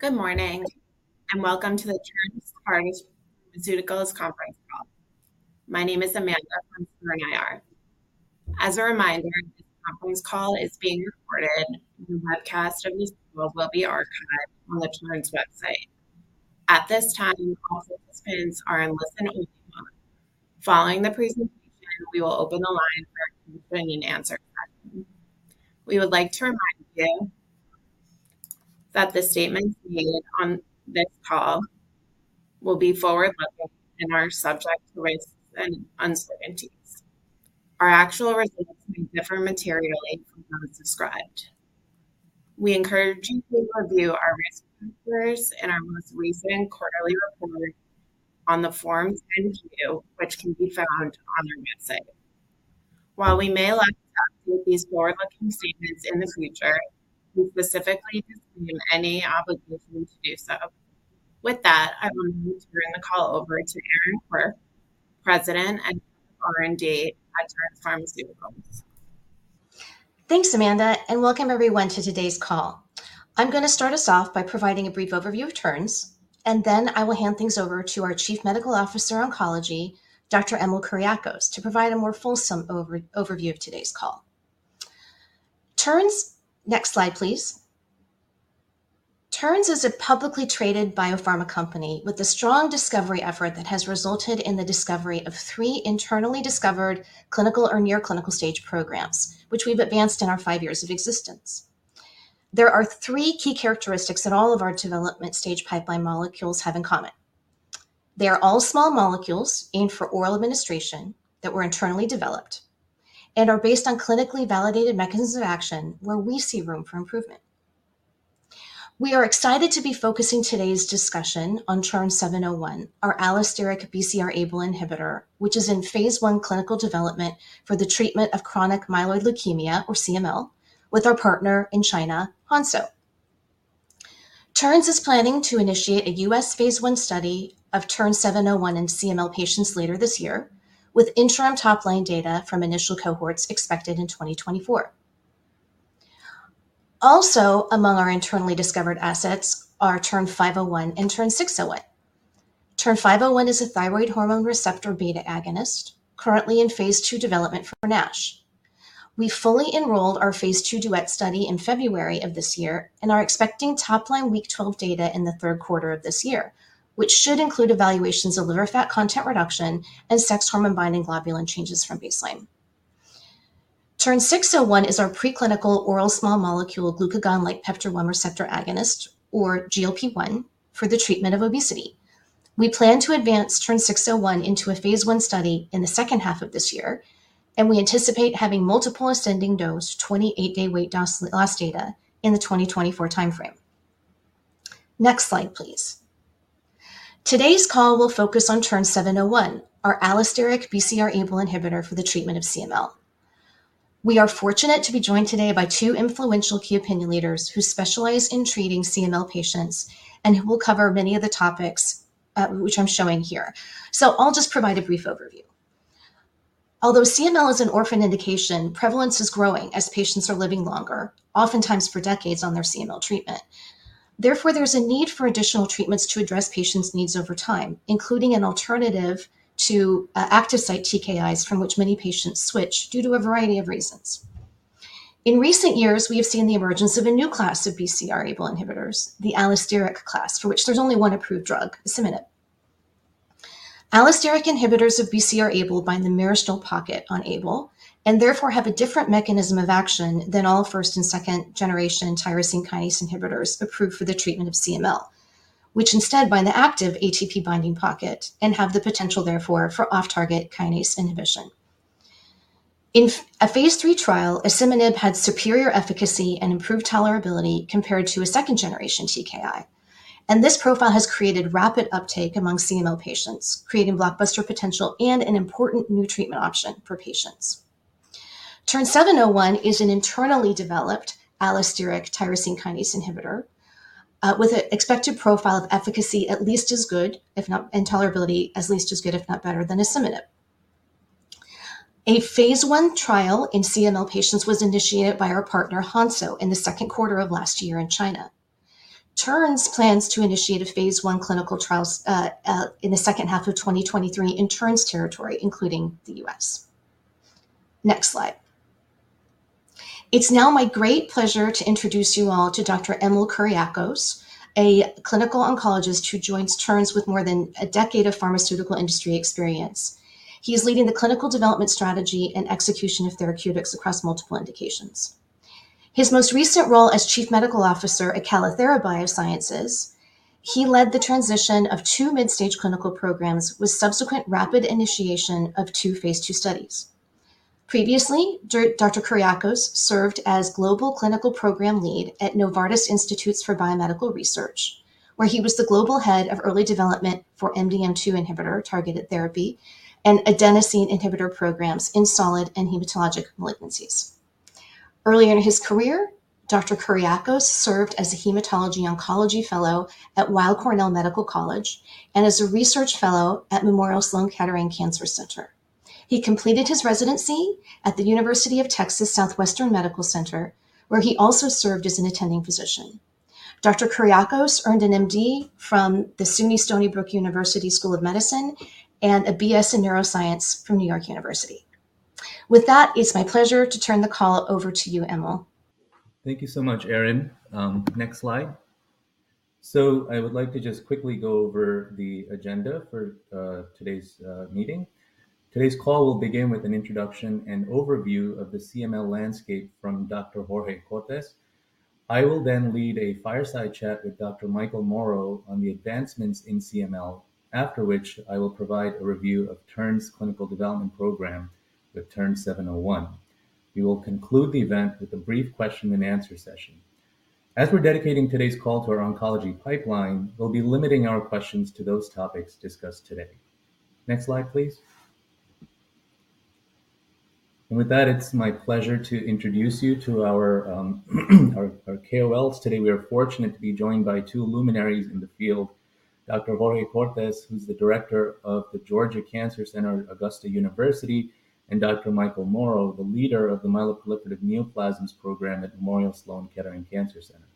Good morning. Welcome to the Terns Pharmaceuticals Conference Call. My name is Amanda from IR. As a reminder, this conference call is being recorded, and the webcast of this call will be archived on the Terns website. At this time, all participants are in listen-only mode. Following the presentation, we will open the line for any remaining answer question. We would like to remind you that the statements made on this call will be forward-looking and are subject to risks and uncertainties. Our actual results may differ materially from those described. We encourage you to review our risk factors in our most recent quarterly report on the Forms 10-Q, which can be found on our website. While we may like to update these forward-looking statements in the future, we specifically disclaim any obligation to do so. With that, I want to turn the call over to Erin Quirk, President and R&D at Terns Pharmaceuticals. Thanks, Amanda, welcome everyone to today's call. I'm going to start us off by providing a brief overview of Terns, then I will hand things over to our Chief Medical Officer, Oncology, Dr. Emil Kuriakose, to provide a more fulsome overview of today's call. Next slide, please. Terns is a publicly traded biopharma company with a strong discovery effort that has resulted in the discovery of three internally discovered clinical or near clinical stage programs, which we've advanced in our five years of existence. There are three key characteristics that all of our development stage pipeline molecules have in common. They are all small molecules aimed for oral administration that were internally developed and are based on clinically validated mechanisms of action, where we see room for improvement. We are excited to be focusing today's discussion on TERN-701, our allosteric BCR-ABL inhibitor, which is in phase I clinical development for the treatment of chronic myeloid leukemia, or CML, with our partner in China, Hansoh. Terns is planning to initiate a U.S. phase I study of TERN-701 in CML patients later this year, with interim top-line data from initial cohorts expected in 2024. Among our internally discovered assets are TERN-501 and TERN-601. TERN-501 is a thyroid hormone receptor beta agonist, currently in phase II development for NASH. We fully enrolled our phase II DUET study in February of this year and are expecting top-line week 12 data in the third quarter of this year, which should include evaluations of liver fat content reduction and sex hormone binding globulin changes from baseline. TERN-601 is our preclinical oral small molecule glucagon-like peptide one receptor agonist or GLP-1, for the treatment of obesity. We plan to advance TERN-601 into a phase I study in the second half of this year, we anticipate having multiple ascending dose, 28-day weight loss data in the 2024 timeframe. Next slide, please. Today's call will focus on TERN-701, our allosteric BCR-ABL inhibitor for the treatment of CML. We are fortunate to be joined today by two influential key opinion leaders who specialize in treating CML patients and who will cover many of the topics which I'm showing here. I'll just provide a brief overview. Although CML is an orphan indication, prevalence is growing as patients are living longer, oftentimes for decades on their CML treatment. There's a need for additional treatments to address patients' needs over time, including an alternative to active site TKIs, from which many patients switch due to a variety of reasons. In recent years, we have seen the emergence of a new class of BCR-ABL inhibitors, the allosteric class, for which there's only one approved drug, asciminib. Allosteric inhibitors of BCR-ABL bind the myristoyl pocket on ABL, and therefore have a different mechanism of action than all first and second generation tyrosine kinase inhibitors approved for the treatment of CML, which instead bind the active ATP binding pocket and have the potential, therefore, for off-target kinase inhibition. In a Phase 3 trial, asciminib had superior efficacy and improved tolerability compared to a second-generation TKI. This profile has created rapid uptake among CML patients, creating blockbuster potential and an important new treatment option for patients. TERN-701 is an internally developed allosteric tyrosine kinase inhibitor, with an expected profile of efficacy at least as good, and tolerability, at least as good, if not better, than asciminib. A Phase I trial in CML patients was initiated by our partner, Hansoh, in the second quarter of last year in China. Terns plans to initiate a Phase I clinical trial in the second half of 2023 in Terns territory, including the U.S. Next slide. It's now my great pleasure to introduce you all to Dr. Emil Kuriakose, a clinical oncologist who joins Terns with more than a decade of pharmaceutical industry experience. He is leading the clinical development strategy and execution of therapeutics across multiple indications. His most recent role as Chief Medical Officer at Calithera Biosciences, he led the transition of 2 mid-stage clinical programs with subsequent rapid initiation of 2 phase II studies. Previously, Dr. Kuriakose served as Global Clinical Program Lead at Novartis Institutes for BioMedical Research, where he was the global head of early development for MDM2 inhibitor-targeted therapy and adenosine inhibitor programs in solid and hematologic malignancies. Earlier in his career, Dr. Kuriakose served as a hematology oncology fellow at Weill Cornell Medical College and as a research fellow at Memorial Sloan Kettering Cancer Center. He completed his residency at the University of Texas Southwestern Medical Center, where he also served as an attending physician. Dr. Kuriakose earned an MD from the SUNY Stony Brook University School of Medicine and a BS in neuroscience from New York University. With that, it's my pleasure to turn the call over to you, Emil. Thank you so much, Erin. Next slide. I would like to just quickly go over the agenda for today's meeting. Today's call will begin with an introduction and overview of the CML landscape from Dr. Jorge Cortes. I will then lead a fireside chat with Dr. Michael Mauro on the advancements in CML, after which I will provide a review of Terns' clinical development program with TERN-701. We will conclude the event with a brief question and answer session. As we're dedicating today's call to our oncology pipeline, we'll be limiting our questions to those topics discussed today. Next slide, please. With that, it's my pleasure to introduce you to our KOLs. Today, we are fortunate to be joined by two luminaries in the field, Dr. Jorge Cortes, who's the director of the Georgia Cancer Center, Augusta University, and Dr. Michael Mauro, the Leader of the Myeloproliferative Neoplasms Program at Memorial Sloan Kettering Cancer Center.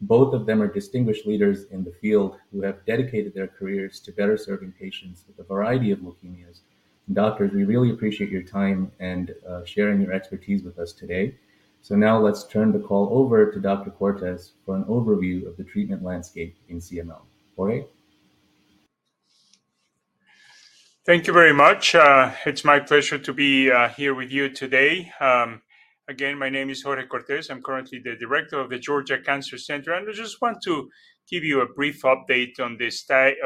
Both of them are distinguished leaders in the field who have dedicated their careers to better serving patients with a variety of leukemias. Doctors, we really appreciate your time and sharing your expertise with us today. Now let's turn the call over to Dr. Cortes for an overview of the treatment landscape in CML. Jorge? Thank you very much. It's my pleasure to be here with you today. Again, my name is Jorge Cortes. I'm currently the Director of the Georgia Cancer Center, and I just want to give you a brief update on the state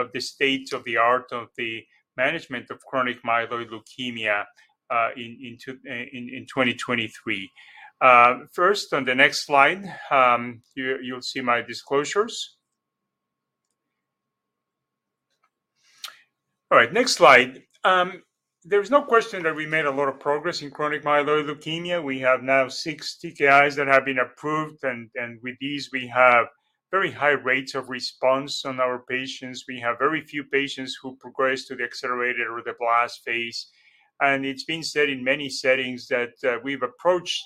of the art of the management of chronic myeloid leukemia in 2023. First, on the next slide, you'll see my disclosures. All right, next slide. There's no question that we made a lot of progress in chronic myeloid leukemia. We have now six TKIs that have been approved, and with these, we have very high rates of response on our patients. We have very few patients who progress to the accelerated or the blast phase. It's been said in many settings that we've approached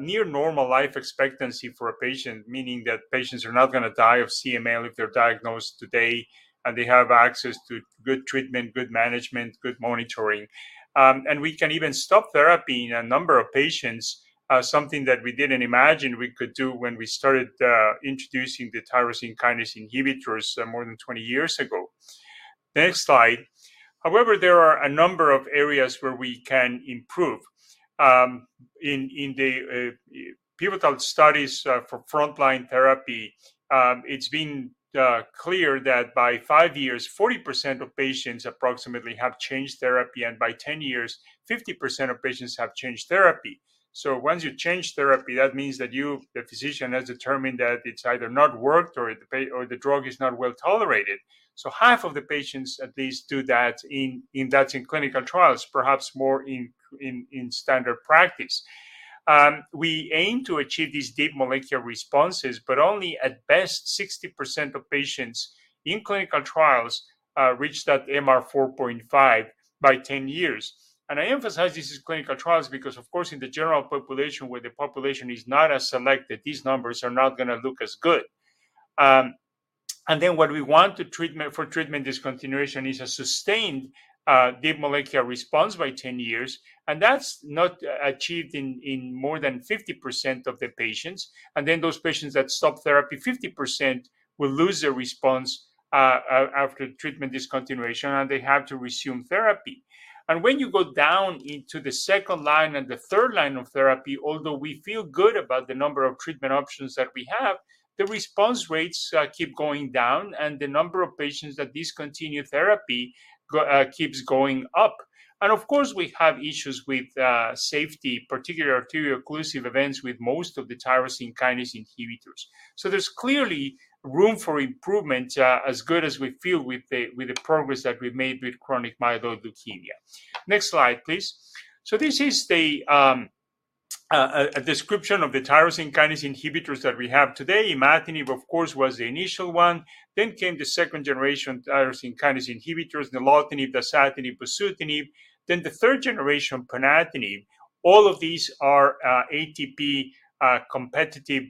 near normal life expectancy for a patient, meaning that patients are not gonna die of CML if they're diagnosed today, and they have access to good treatment, good management, good monitoring. We can even stop therapy in a number of patients, something that we didn't imagine we could do when we started introducing the tyrosine kinase inhibitors more than 20 years ago. Next slide. There are a number of areas where we can improve. In the pivotal studies for frontline therapy, it's been clear that by 5 years, 40% of patients approximately have changed therapy, and by 10 years, 50% of patients have changed therapy. Once you change therapy, that means that you, the physician, has determined that it's either not worked or the drug is not well tolerated. Half of the patients at least do that in that, in clinical trials, perhaps more in standard practice. We aim to achieve these deep molecular responses, but only at best, 60% of patients in clinical trials, reach that MR4.5 by 10 years. I emphasize this is clinical trials, because, of course, in the general population, where the population is not as selected, these numbers are not gonna look as good. What we want the treatment, for treatment discontinuation is a sustained, deep molecular response by 10 years, and that's not achieved in more than 50% of the patients. Then those patients that stop therapy, 50% will lose their response after treatment discontinuation, and they have to resume therapy. When you go down into the second line and the third line of therapy, although we feel good about the number of treatment options that we have, the response rates keep going down, and the number of patients that discontinue therapy keeps going up. Of course, we have issues with safety, particularly arterial occlusive events, with most of the tyrosine kinase inhibitors. There's clearly room for improvement, as good as we feel with the, with the progress that we've made with chronic myeloid leukemia. Next slide, please. This is the description of the tyrosine kinase inhibitors that we have today. imatinib, of course, was the initial one. Came the second-generation tyrosine kinase inhibitors, nilotinib, dasatinib, bosutinib, then the third-generation, ponatinib. All of these are ATP competitive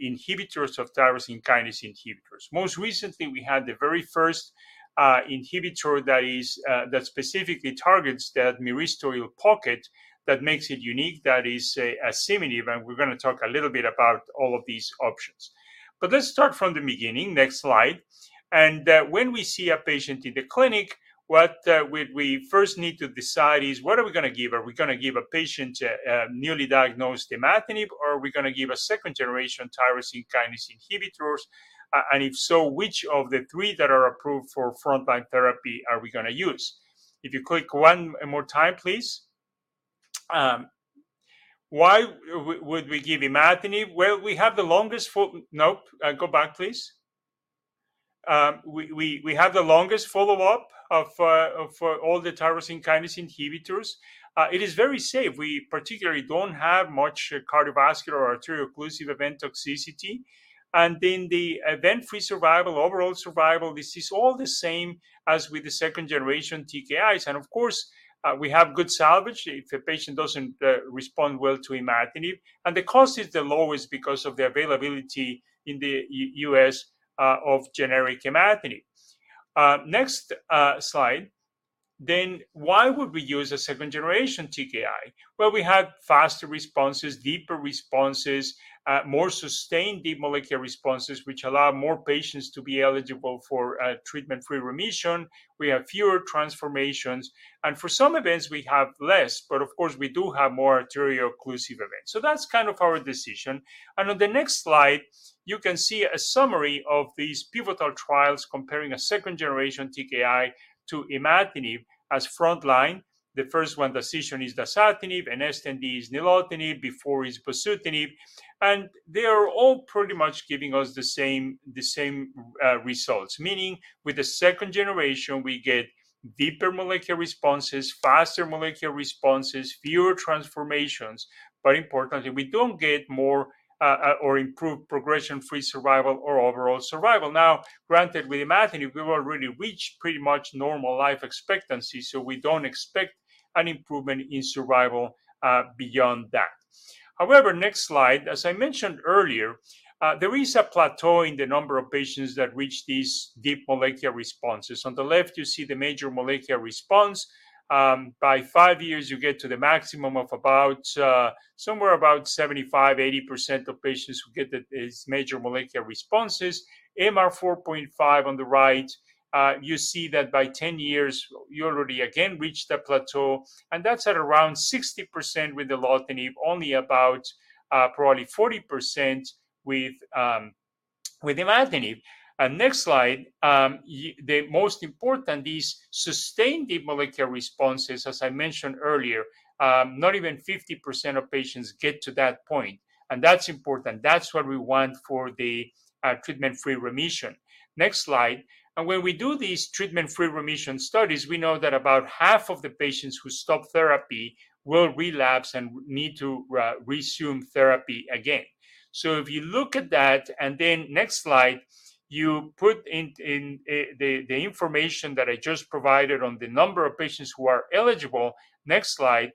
inhibitors of tyrosine kinase inhibitors. Most recently, we had the very first inhibitor that is that specifically targets that myristoyl pocket that makes it unique, that is asciminib, and we're gonna talk a little bit about all of these options. Let's start from the beginning. Next slide. When we see a patient in the clinic, what we first need to decide is: What are we gonna give? Are we gonna give a patient a newly diagnosed imatinib, or are we gonna give a second-generation tyrosine kinase inhibitors? And if so, which of the three that are approved for frontline therapy are we gonna use? If you click one more time, please. Why would we give imatinib? Well, we have the longest. Nope. Go back, please. We have the longest follow-up of all the tyrosine kinase inhibitors. It is very safe. We particularly don't have much cardiovascular or arterial occlusive event toxicity. The event-free survival, overall survival, this is all the same as with the second-generation TKIs. Of course, we have good salvage if a patient doesn't respond well to imatinib, and the cost is the lowest because of the availability in the U.S. of generic imatinib. Next slide. Why would we use a second-generation TKI? Well, we have faster responses, deeper responses, more sustained deep molecular responses, which allow more patients to be eligible for treatment-free remission. We have fewer transformations, for some events, we have less, of course, we do have more arterial occlusive events. That's kind of our decision. On the next slide, you can see a summary of these pivotal trials comparing a second-generation TKI to imatinib as frontline. The first one, DASISION, is dasatinib, ENESTnd is nilotinib, BFORE is bosutinib, they are all pretty much giving us the same results. Meaning, with the second generation, we get deeper molecular responses, faster molecular responses, fewer transformations. Importantly, we don't get more or improved progression-free survival or overall survival. Granted, with imatinib, we've already reached pretty much normal life expectancy, we don't expect an improvement in survival beyond that. However, next slide, as I mentioned earlier, there is a plateau in the number of patients that reach these deep molecular responses. On the left, you see the major molecular response. By 5 years, you get to the maximum of about, somewhere about 75%, 80% of patients who get the, these major molecular responses. MR4.5 on the right, you see that by 10 years, you already again reached a plateau, and that's at around 60% with the nilotinib, only about, probably 40% with imatinib. Next slide. The most important, these sustained deep molecular responses, as I mentioned earlier, not even 50% of patients get to that point, and that's important. That's what we want for the treatment-free remission. Next slide. When we do these treatment-free remission studies, we know that about half of the patients who stop therapy will relapse and need to resume therapy again. If you look at that, then next slide, you put in the information that I just provided on the number of patients who are eligible, next slide,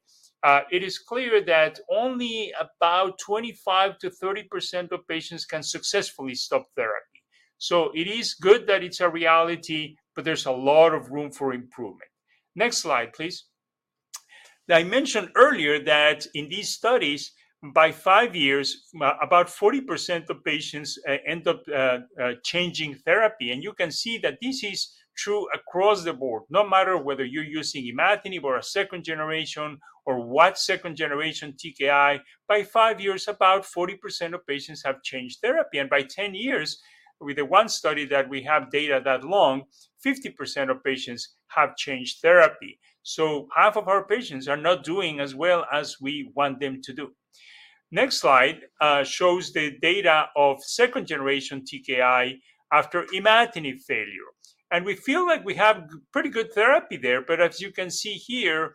it is clear that only about 25%-30% of patients can successfully stop therapy. It is good that it's a reality, but there's a lot of room for improvement. Next slide, please. I mentioned earlier that in these studies, by five years, about 40% of patients end up changing therapy, and you can see that this is true across the board. No matter whether you're using imatinib or a second-generation or what second-generation TKI, by 5 years, about 40% of patients have changed therapy, and by 10 years, with the 1 study that we have data that long, 50% of patients have changed therapy. Half of our patients are not doing as well as we want them to do. Next slide shows the data of second-generation TKI after imatinib failure, and we feel like we have pretty good therapy there. As you can see here,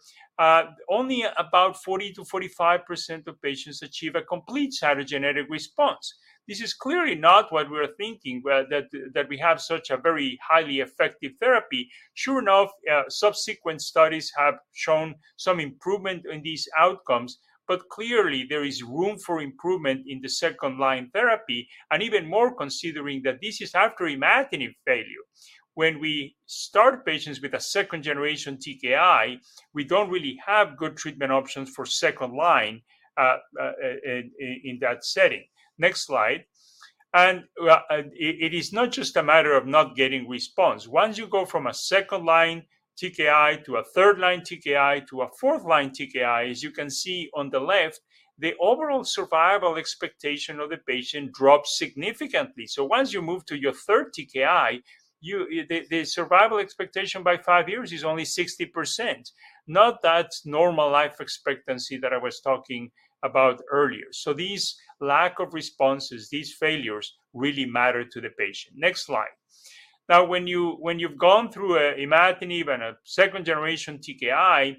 only about 40%-45% of patients achieve a complete cytogenetic response. This is clearly not what we're thinking, where that we have such a very highly effective therapy. Sure enough, subsequent studies have shown some improvement in these outcomes, but clearly, there is room for improvement in the second-line therapy, and even more, considering that this is after imatinib failure. When we start patients with a second-generation TKI, we don't really have good treatment options for second line in that setting. Next slide. It is not just a matter of not getting response. Once you go from a second-line TKI to a third-line TKI to a fourth-line TKI, as you can see on the left, the overall survival expectation of the patient drops significantly. Once you move to your third TKI, the survival expectation by 5 years is only 60%, not that normal life expectancy that I was talking about earlier. These lack of responses, these failures, really matter to the patient. Next slide. When you, when you've gone through a imatinib and a second-generation TKI,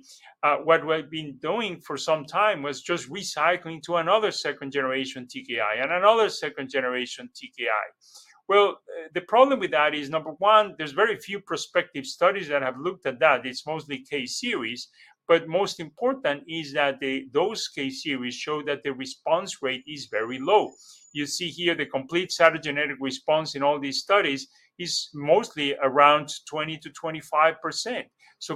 what we've been doing for some time was just recycling to another second-generation TKI and another second-generation TKI. The problem with that is, number one, there's very few prospective studies that have looked at that. It's mostly case series, but most important is that those case series show that the response rate is very low. You see here the complete cytogenetic response in all these studies is mostly around 20%-25%.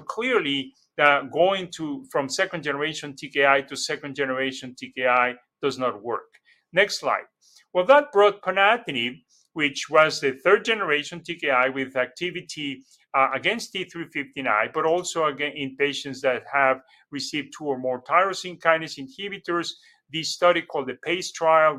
Clearly, from second-generation TKI to second-generation TKI does not work. Next slide. That brought ponatinib, which was a third-generation TKI with activity against T315I, but also in patients that have received 2 or more tyrosine kinase inhibitors. This study, called the PACE trial,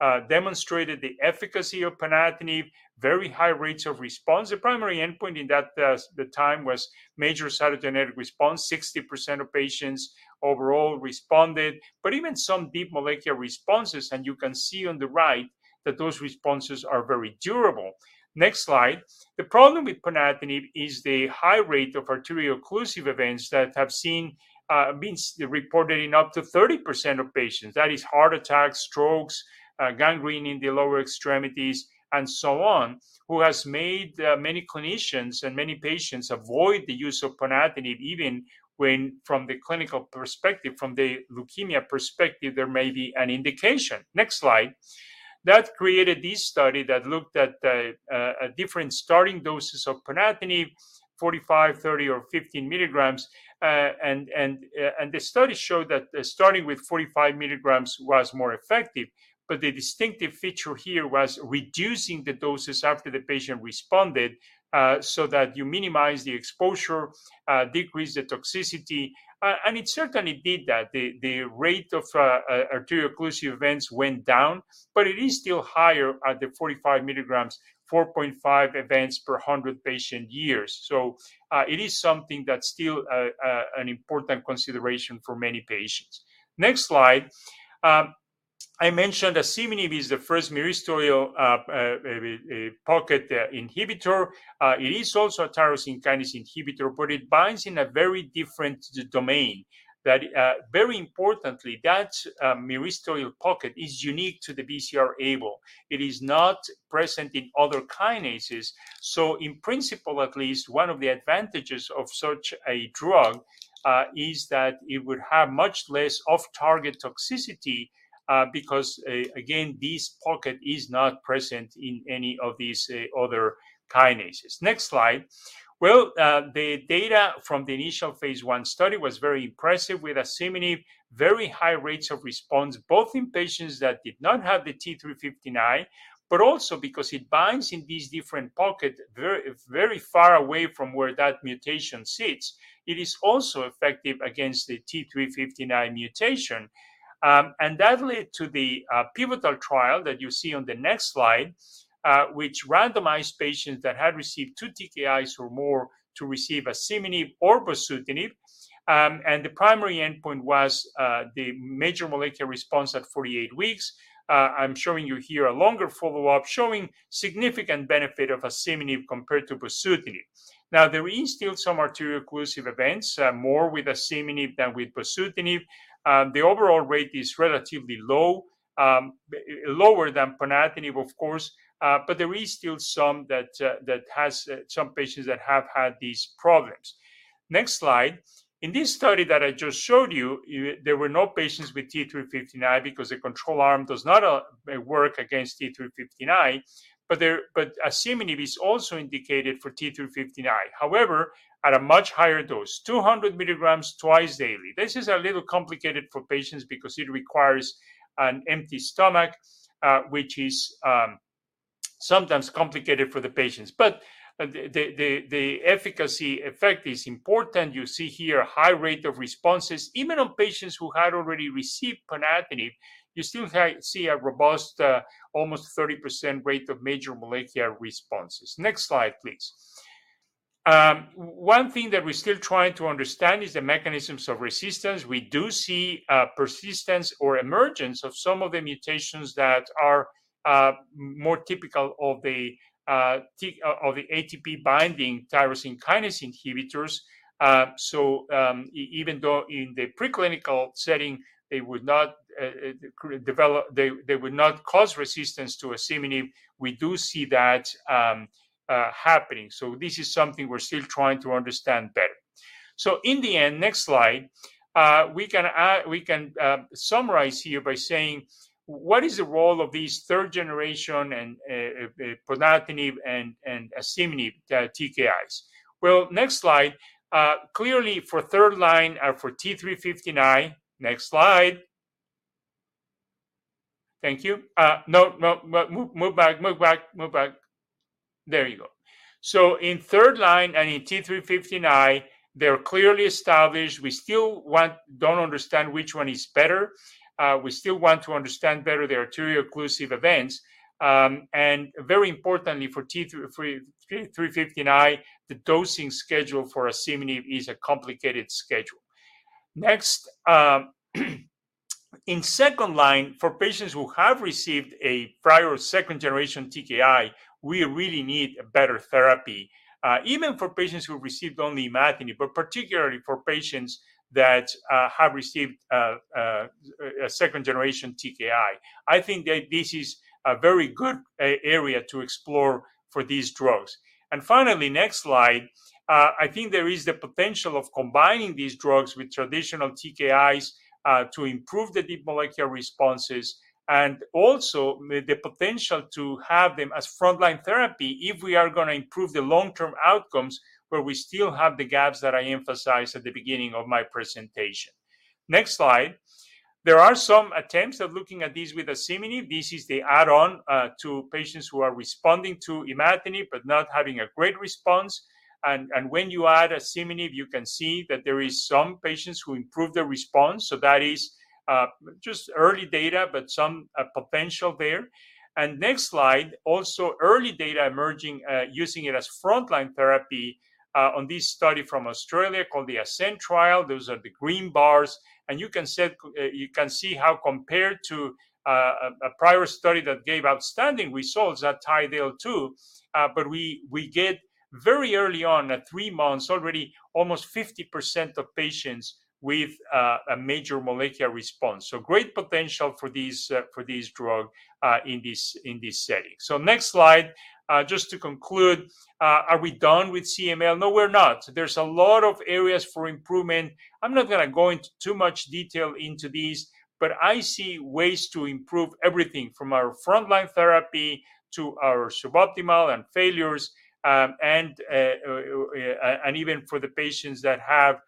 was demonstrated the efficacy of ponatinib, very high rates of response. The primary endpoint in that test at the time was major cytogenetic response. 60% of patients overall responded, but even some deep molecular responses, and you can see on the right that those responses are very durable. Next slide. The problem with ponatinib is the high rate of arterial occlusive events that have seen reported in up to 30% of patients. That is heart attacks, strokes, gangrene in the lower extremities, and so on, who has made many clinicians and many patients avoid the use of ponatinib, even when from the clinical perspective, from the leukemia perspective, there may be an indication. Next slide. That created this study that looked at different starting doses of ponatinib, 45, 30, or 15 milligrams. The study showed that starting with 45 milligrams was more effective, but the distinctive feature here was reducing the doses after the patient responded, so that you minimize the exposure, decrease the toxicity, and it certainly did that. The rate of arterial occlusive events went down, but it is still higher at the 45 milligrams, 4.5 events per 100 patient years. It is something that's still an important consideration for many patients. Next slide. I mentioned asciminib is the first myristoyl pocket inhibitor. It is also a tyrosine kinase inhibitor, but it binds in a very different domain, that very importantly, that myristoyl pocket is unique to the BCR-ABL. It is not present in other kinases. In principle, at least, 1 of the advantages of such a drug is that it would have much less off-target toxicity because again, this pocket is not present in any of these other kinases. Next slide. Well, the data from the initial phase 1 study was very impressive, with asciminib very high rates of response, both in patients that did not have the T315I, but also because it binds in this different pocket, very, very far away from where that mutation sits, it is also effective against the T315I mutation. That led to the pivotal trial that you see on the next slide, which randomized patients that had received 2 TKIs or more to receive asciminib or bosutinib. The primary endpoint was the major molecular response at 48 weeks. I'm showing you here a longer follow-up, showing significant benefit of asciminib compared to bosutinib. There is still some arterial occlusive events, more with asciminib than with bosutinib. The overall rate is relatively low, lower than ponatinib, of course, there is still some that has some patients that have had these problems. Next slide. In this study that I just showed you, there were no patients with T315I because the control arm does not work against T315I, asciminib is also indicated for T315I, however, at a much higher dose, 200 milligrams twice daily. This is a little complicated for patients because it requires an empty stomach, which is sometimes complicated for the patients. The efficacy effect is important. You see here a high rate of responses. Even on patients who had already received ponatinib, you still see a robust, almost 30% rate of major molecular responses. Next slide, please. One thing that we're still trying to understand is the mechanisms of resistance. We do see persistence or emergence of some of the mutations that are more typical of the ATP-binding tyrosine kinase inhibitors. Even though in the preclinical setting, they would not cause resistance to asciminib, we do see that happening. This is something we're still trying to understand better. In the end, next slide, we can summarize here by saying: What is the role of these third generation and ponatinib and asciminib TKIs? Next slide. clearly, for third line, for T315I. Next slide. Thank you. no, move back, move back, move back. There you go. In third line and in T315I, they're clearly established. We still don't understand which one is better. We still want to understand better the arterial occlusive events. Very importantly, for T315I, the dosing schedule for asciminib is a complicated schedule. Next, in second line, for patients who have received a prior or second-generation TKI, we really need a better therapy, even for patients who received only imatinib, but particularly for patients that have received a second-generation TKI. I think that this is a very good area to explore for these drugs. Finally, next slide, I think there is the potential of combining these drugs with traditional TKIs to improve the deep molecular responses, and also the potential to have them as frontline therapy if we are gonna improve the long-term outcomes, where we still have the gaps that I emphasized at the beginning of my presentation. Next slide. There are some attempts of looking at this with asciminib. This is the add-on to patients who are responding to imatinib, but not having a great response. And when you add asciminib, you can see that there is some patients who improve their response, so that is just early data, but some potential there. Next slide, also early data emerging using it as frontline therapy on this study from Australia called the ASCEND trial. Those are the green bars, and you can see how compared to a prior study that gave outstanding results, that TIDEL-II, but we get very early on, at 3 months, already almost 50% of patients with a major molecular response. Great potential for these for this drug in this setting. Next slide, just to conclude, are we done with CML? No, we're not. There's a lot of areas for improvement. I'm not gonna go into too much detail into these, but I see ways to improve everything from our frontline therapy to our suboptimal and failures, and even for the patients that have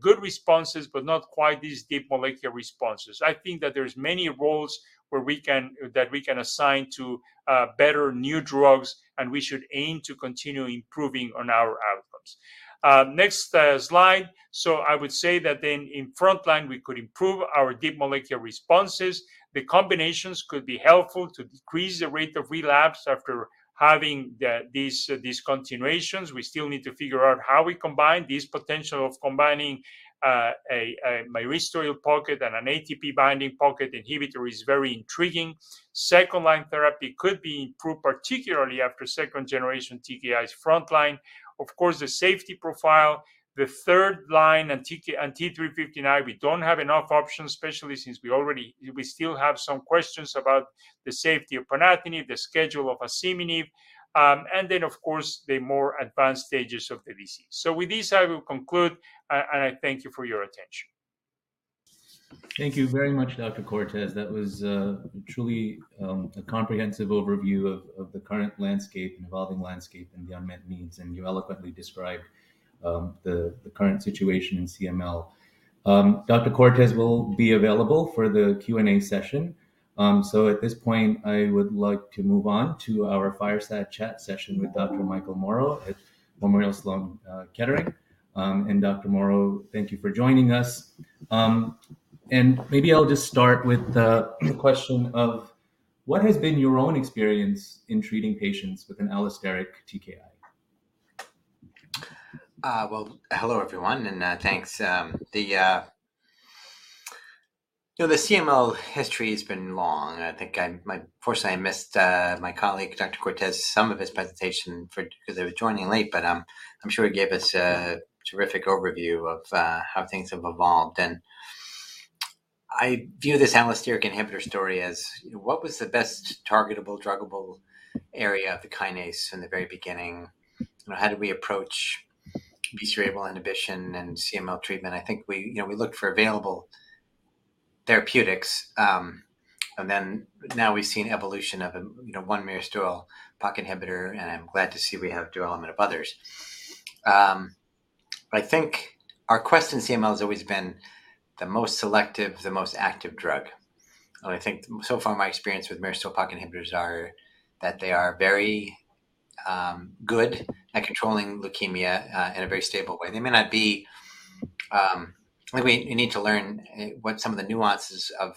good responses, but not quite these deep molecular responses. I think that there's many roles where we can, that we can assign to better new drugs, and we should aim to continue improving on our outcomes. Next slide. I would say that then in frontline, we could improve our deep molecular responses. The combinations could be helpful to decrease the rate of relapse after having these continuations. We still need to figure out how we combine this potential of combining a myristoyl pocket and an ATP binding pocket inhibitor is very intriguing. Second-line therapy could be improved, particularly after second-generation TKIs frontline. Of course, the safety profile, the third line, and T315I, we don't have enough options, especially since we still have some questions about the safety of ponatinib, the schedule of asciminib, and then, of course, the more advanced stages of the BC. With this, I will conclude, and I thank you for your attention. Thank you very much, Dr. Cortes. That was truly a comprehensive overview of the current landscape, involving landscape and the unmet needs, and you eloquently described the current situation in CML. Dr. Cortes will be available for the Q&A session. At this point, I would like to move on to our Fireside Chat session with Dr. Michael Mauro at Memorial Sloan Kettering. Dr. Mauro, thank you for joining us. Maybe I'll just start with the question of: what has been your own experience in treating patients with an allosteric TKI? Well, hello, everyone, thanks. Well, you know, the CML history has been long, and I think unfortunately, I missed my colleague, Dr. Cortes, some of his presentation for, 'cause I was joining late, but I'm sure he gave us a terrific overview of how things have evolved. I view this allosteric inhibitor story as, you know, what was the best targetable, druggable area of the kinase from the very beginning? You know, how do we approach BCR-ABL inhibition and CML treatment? I think we, you know, we looked for available therapeutics, and then now we've seen evolution of a, you know, one myristoyl pocket inhibitor, and I'm glad to see we have development of others. I think our quest in CML has always been the most selective, the most active drug. I think so far, my experience with myristoyl pocket inhibitors are, that they are very good at controlling leukemia in a very stable way. They may not be, we need to learn what some of the nuances of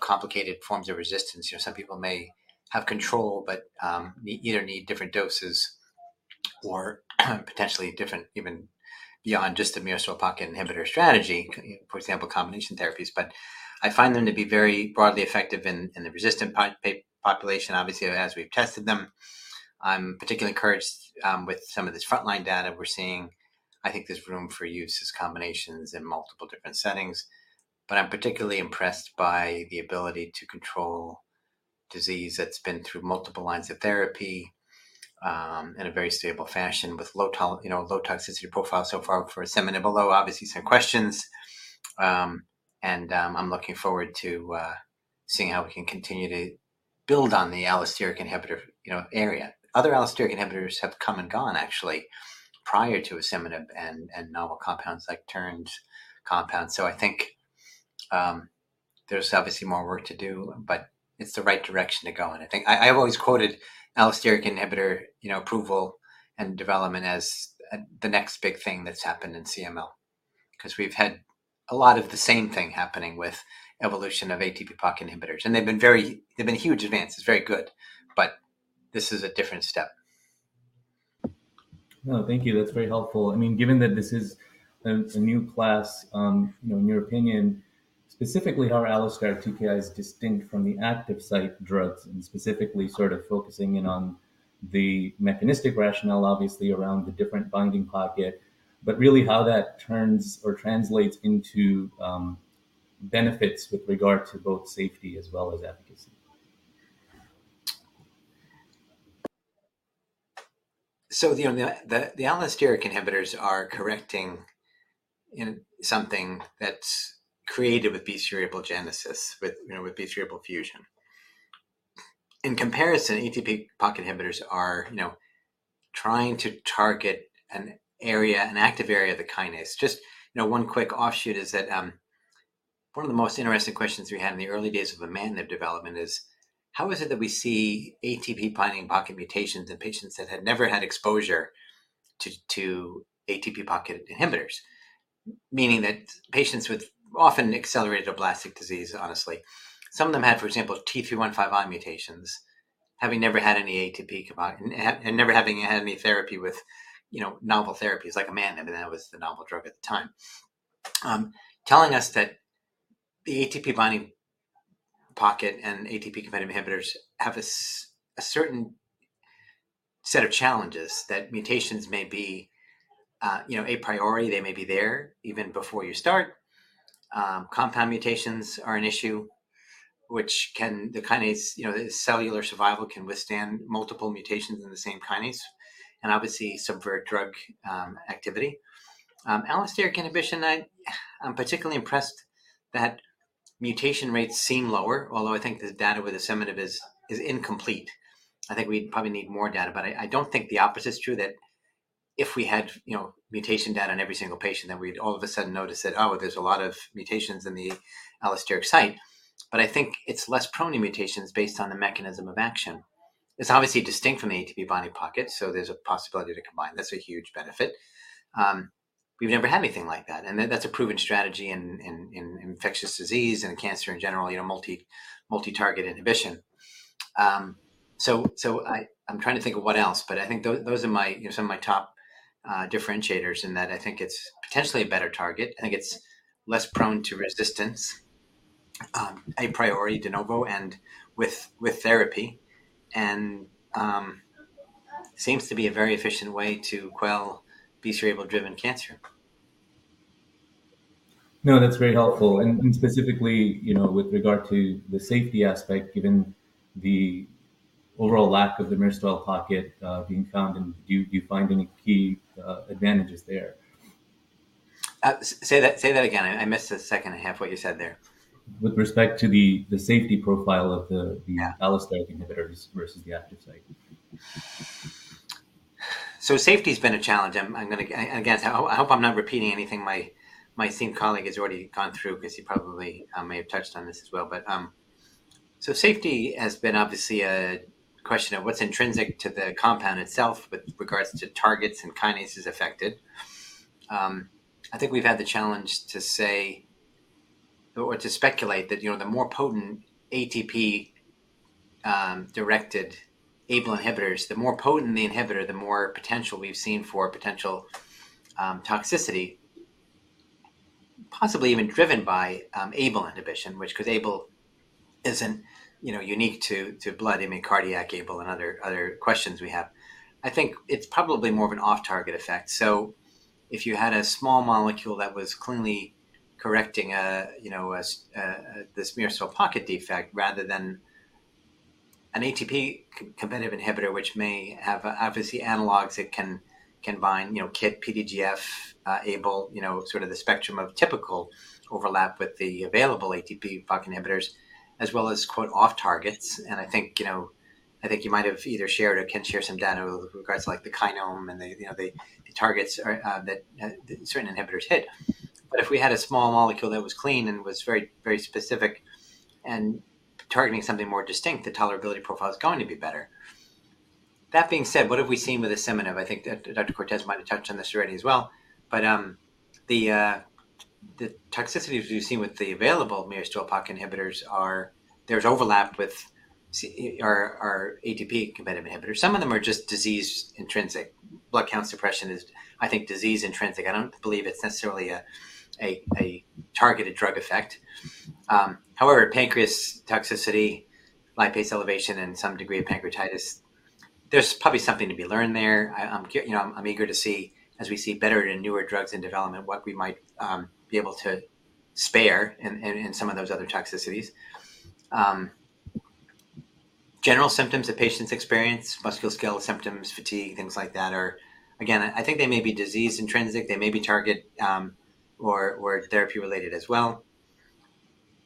complicated forms of resistance. You know, some people may have control, but you either need different doses or, potentially different, even beyond just the myristoyl pocket inhibitor strategy, for example, combination therapies. I find them to be very broadly effective in the resistant population. Obviously, as we've tested them, I'm particularly encouraged with some of this frontline data we're seeing. I think there's room for use as combinations in multiple different settings, but I'm particularly impressed by the ability to control disease that's been through multiple lines of therapy, in a very stable fashion with low you know, low toxicity profile so far for asciminib, although, obviously, some questions. I'm looking forward to seeing how we can continue to build on the allosteric inhibitor, you know, area. Other allosteric inhibitors have come and gone, actually, prior to asciminib and novel compounds like Terns compound. I think there's obviously more work to do, but it's the right direction to go in. I think I've always quoted allosteric inhibitor, you know, approval and development as the next big thing that's happened in CML. We've had a lot of the same thing happening with evolution of ATP pocket inhibitors, and they've been huge advances, very good, but this is a different step. Thank you. That's very helpful. I mean, given that this is, it's a new class, you know, in your opinion, specifically, how are allosteric TKIs distinct from the active site drugs, and specifically sort of focusing in on the mechanistic rationale, obviously, around the different binding pocket, but really how that turns or translates into, benefits with regard to both safety as well as efficacy? The allosteric inhibitors are correcting, you know, something that's created with BCR-ABL genesis, with, you know, with BCR-ABL fusion. In comparison, ATP pocket inhibitors are, you know, trying to target an area, an active area of the kinase. Just, you know, one quick offshoot is that, one of the most interesting questions we had in the early days of imatinib development is: how is it that we see ATP binding pocket mutations in patients that had never had exposure to ATP pocket inhibitors? Meaning that patients with often accelerated blastic disease, honestly. Some of them had, for example, T315I mutations, having never had any ATP pocket, and never having had any therapy with, you know, novel therapies like imatinib, and that was the novel drug at the time. Telling us that the ATP binding pocket and ATP pocket inhibitors have a certain set of challenges, that mutations may be, you know, a priority. They may be there even before you start. Compound mutations are an issue, which can, the kinase, you know, the cellular survival can withstand multiple mutations in the same kinase, and obviously, suffer drug activity. Allosteric inhibition, I'm particularly impressed that mutation rates seem lower, although I think the data with asciminib is incomplete. I think we'd probably need more data, I don't think the opposite is true, that if we had, you know, mutation data on every single patient, then we'd all of a sudden notice that, oh, there's a lot of mutations in the allosteric site. I think it's less prone to mutations based on the mechanism of action. It's obviously distinct from the ATP binding pocket, so there's a possibility to combine. That's a huge benefit. We've never had anything like that, and that's a proven strategy in infectious disease and cancer in general, you know, multi-target inhibition. I'm trying to think of what else, but I think those are my, you know, some of my top differentiators, in that I think it's potentially a better target. I think it's less prone to resistance, a priority de novo and with therapy, and seems to be a very efficient way to quell BCR-ABL-driven cancer. No, that's very helpful. Specifically, you know, with regard to the safety aspect, given the overall lack of the myristoyl pocket being found, do you find any key advantages there? Say that again. I missed the second half, what you said there. With respect to the safety profile of the. Yeah allosteric inhibitors versus the active site. Safety's been a challenge. I'm gonna again, I hope I'm not repeating anything my same colleague has already gone through, 'cause he probably may have touched on this as well. Safety has been obviously a question of what's intrinsic to the compound itself with regards to targets and kinases affected. I think we've had the challenge to say, or to speculate that, you know, the more potent ATP directed ABL inhibitors, the more potent the inhibitor, the more potential we've seen for potential toxicity, possibly even driven by ABL inhibition, which. 'Cause ABL isn't, you know, unique to blood, I mean, cardiac ABL and other questions we have. I think it's probably more of an off-target effect. If you had a small molecule that was cleanly correcting a, you know, this myristoyl pocket defect, rather than an ATP competitive inhibitor, which may have, obviously, analogs that can combine, you know, KIT, PDGF, ABL, you know, sort of the spectrum of typical overlap with the available ATP pocket inhibitors, as well as, quote, "off targets." I think, you know, I think you might have either shared or can share some data with regards to, like, the kinome and the, you know, the targets that certain inhibitors hit. If we had a small molecule that was clean and was very, very specific and targeting something more distinct, the tolerability profile is going to be better. That being said, what have we seen with asciminib? I think Dr. Cortes might have touched on this already as well. The toxicities we've seen with the available myristoyl pocket inhibitors are. There's overlap with or ATP competitive inhibitors. Some of them are just disease-intrinsic. Blood count suppression is, I think, disease intrinsic. I don't believe it's necessarily a targeted drug effect. However, pancreas toxicity, lipase elevation, and some degree of pancreatitis, there's probably something to be learned there. I'm eager to see, as we see better and newer drugs in development, what we might be able to spare in some of those other toxicities. General symptoms that patients experience, musculoskeletal symptoms, fatigue, things like that, are, again, I think they may be disease intrinsic, they may be target or therapy-related as well.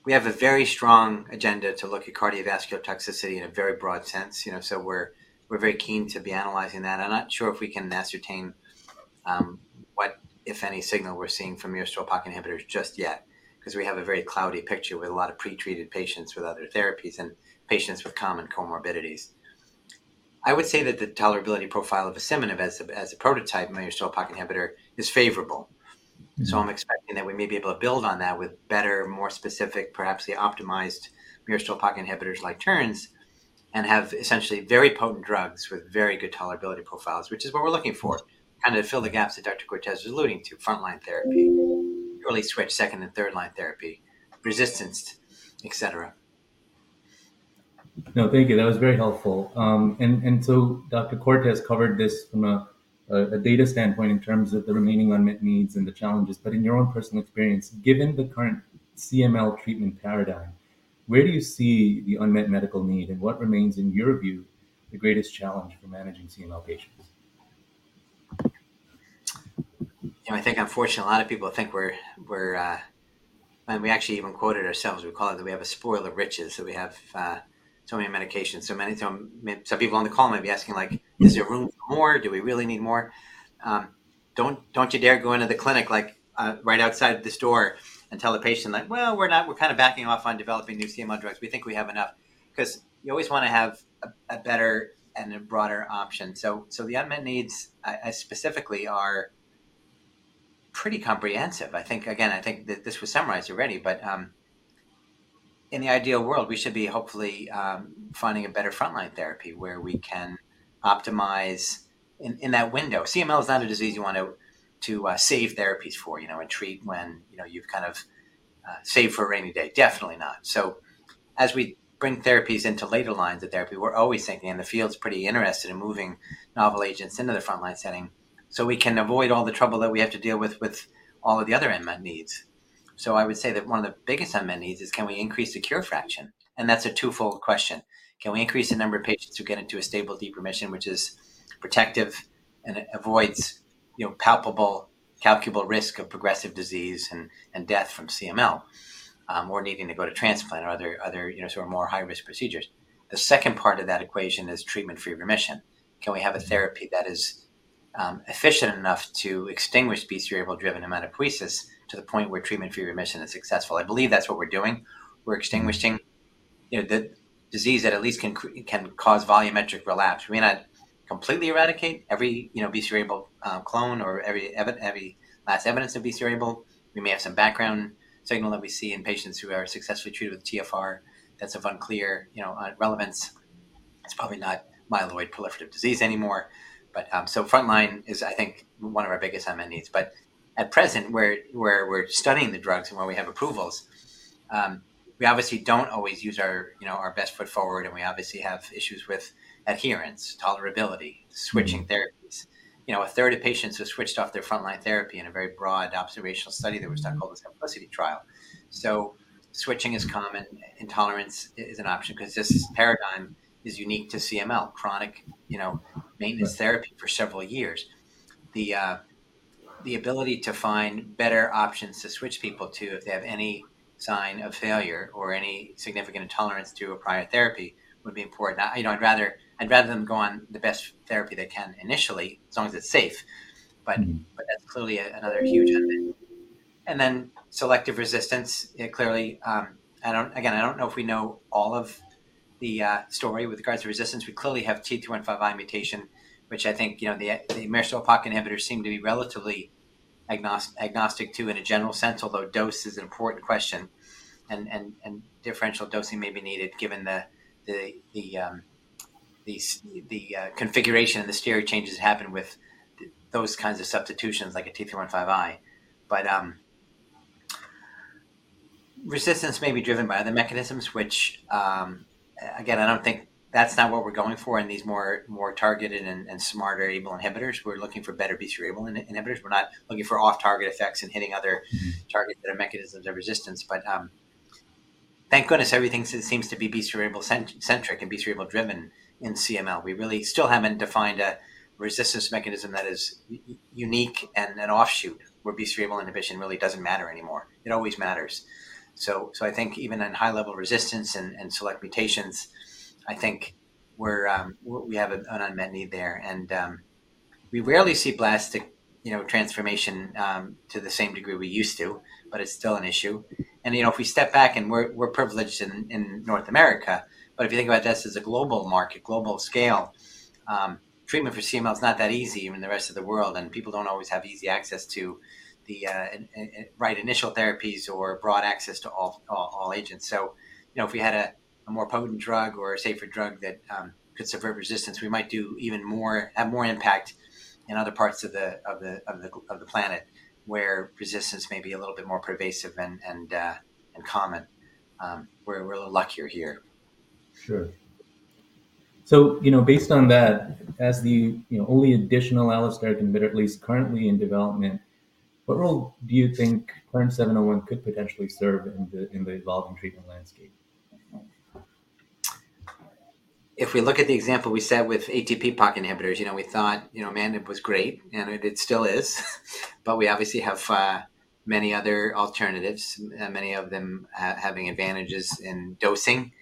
We have a very strong agenda to look at cardiovascular toxicity in a very broad sense, you know, we're very keen to be analyzing that. I'm not sure if we can ascertain what, if any, signal we're seeing from myristoyl pocket inhibitors just yet, 'cause we have a very cloudy picture with a lot of pre-treated patients with other therapies and patients with common comorbidities. I would say that the tolerability profile of asciminib as a prototype myristoyl pocket inhibitor is favorable. Mm-hmm. I'm expecting that we may be able to build on that with better, more specific, perhaps the optimized myristoyl pocket inhibitors like Terns, and have essentially very potent drugs with very good tolerability profiles, which is what we're looking for, kind of fill the gaps that Dr. Cortes was alluding to, frontline therapy, early switch, second and third-line therapy, resistance, et cetera. No, thank you. That was very helpful. Dr. Cortes covered this from a data standpoint in terms of the remaining unmet needs and the challenges, but in your own personal experience, given the current CML treatment paradigm, where do you see the unmet medical need, and what remains, in your view, the greatest challenge for managing CML patients? You know, I think, unfortunately, a lot of people think we're. We actually even quoted ourselves, we call it that we have a spoil of riches. We have so many medications. Many of them, some people on the call might be asking, like- Mm-hmm ... "Is there room for more? Do we really need more?" Don't you dare go into the clinic, like, right outside this door and tell the patient that, "Well, we're kind of backing off on developing new CML drugs. We think we have enough," 'cause you always wanna have a better and a broader option. The unmet needs, I, specifically, are pretty comprehensive. I think, again, I think that this was summarized already, but, in the ideal world, we should be hopefully finding a better frontline therapy where we can optimize in that window. CML is not a disease you want to save therapies for, you know, and treat when, you know, you've kind of saved for a rainy day. Definitely not. As we bring therapies into later lines of therapy, we're always thinking, and the field's pretty interested in moving novel agents into the frontline setting, so we can avoid all the trouble that we have to deal with all of the other unmet needs. I would say that one of the biggest unmet needs is, can we increase the cure fraction? That's a twofold question. Can we increase the number of patients who get into a stable deep remission, which is protective and avoids, you know, palpable, calculable risk of progressive disease and death from CML, or needing to go to transplant or other, you know, sort of more high-risk procedures. The second part of that equation is treatment-free remission. Can we have a therapy that is efficient enough to extinguish BCR-ABL-driven hematopoiesis to the point where treatment-free remission is successful? I believe that's what we're doing. We're extinguishing, you know, the disease that at least can cause volumetric relapse. We may not completely eradicate every, you know, BCR-ABL clone, or every last evidence of BCR-ABL. We may have some background signal that we see in patients who are successfully treated with TFR that's of unclear, you know, relevance. It's probably not myeloproliferative disease anymore. Frontline is, I think, one of our biggest unmet needs. At present, where we're studying the drugs and where we have approvals, we obviously don't always use our, you know, our best foot forward, and we obviously have issues with adherence, tolerability. Mm-hmm... switching therapies. You know, a third of patients who switched off their frontline therapy in a very broad observational study that was done, called the SIMPLICITY trial. Switching is common, intolerance is an option 'cause this paradigm is unique to CML, chronic, you know, maintenance therapy for several years. The ability to find better options to switch people to, if they have any sign of failure or any significant intolerance to a prior therapy, would be important. I, you know, I'd rather them go on the best therapy they can initially, as long as it's safe. Mm-hmm. That's clearly a, another huge unmet. Then selective resistance, yeah, clearly, I don't know if we know all of the story with regards to resistance. We clearly have T315I mutation, which I think, you know, the myristoyl pocket inhibitors seem to be relatively agnostic to, in a general sense, although dose is an important question, and differential dosing may be needed given the configuration and the stereo changes that happen with those kinds of substitutions, like a T315I. Resistance may be driven by other mechanisms, which again, I don't think that's not what we're going for in these more targeted and smarter ABL inhibitors. We're looking for better BCR-ABL inhibitors. We're not looking for off-target effects and hitting other. Mm-hmm... targets that are mechanisms of resistance. Thank goodness, everything seems to be BCR-ABL centric and BCR-ABL driven in CML. We really still haven't defined a resistance mechanism that is unique and an offshoot, where BCR-ABL inhibition really doesn't matter anymore. It always matters. I think even in high-level resistance and select mutations, I think we have an unmet need there. We rarely see blastic, you know, transformation to the same degree we used to, but it's still an issue. You know, if we step back, and we're privileged in North America, but if you think about this as a global market, global scale, treatment for CML is not that easy in the rest of the world, and people don't always have easy access to the right initial therapies or broad access to all agents. You know, if we had a more potent drug or a safer drug that could survive resistance, we might do even more, have more impact in other parts of the planet, where resistance may be a little bit more pervasive and common. We're a little luckier here. Sure. You know, based on that, as the, you know, only additional allosteric inhibitor at least currently in development, what role do you think TERN-701 could potentially serve in the, in the evolving treatment landscape? If we look at the example we set with ATP pocket inhibitors, you know, we thought, you know, man, it was great, and it still is, but we obviously have many other alternatives, many of them having advantages in dosing,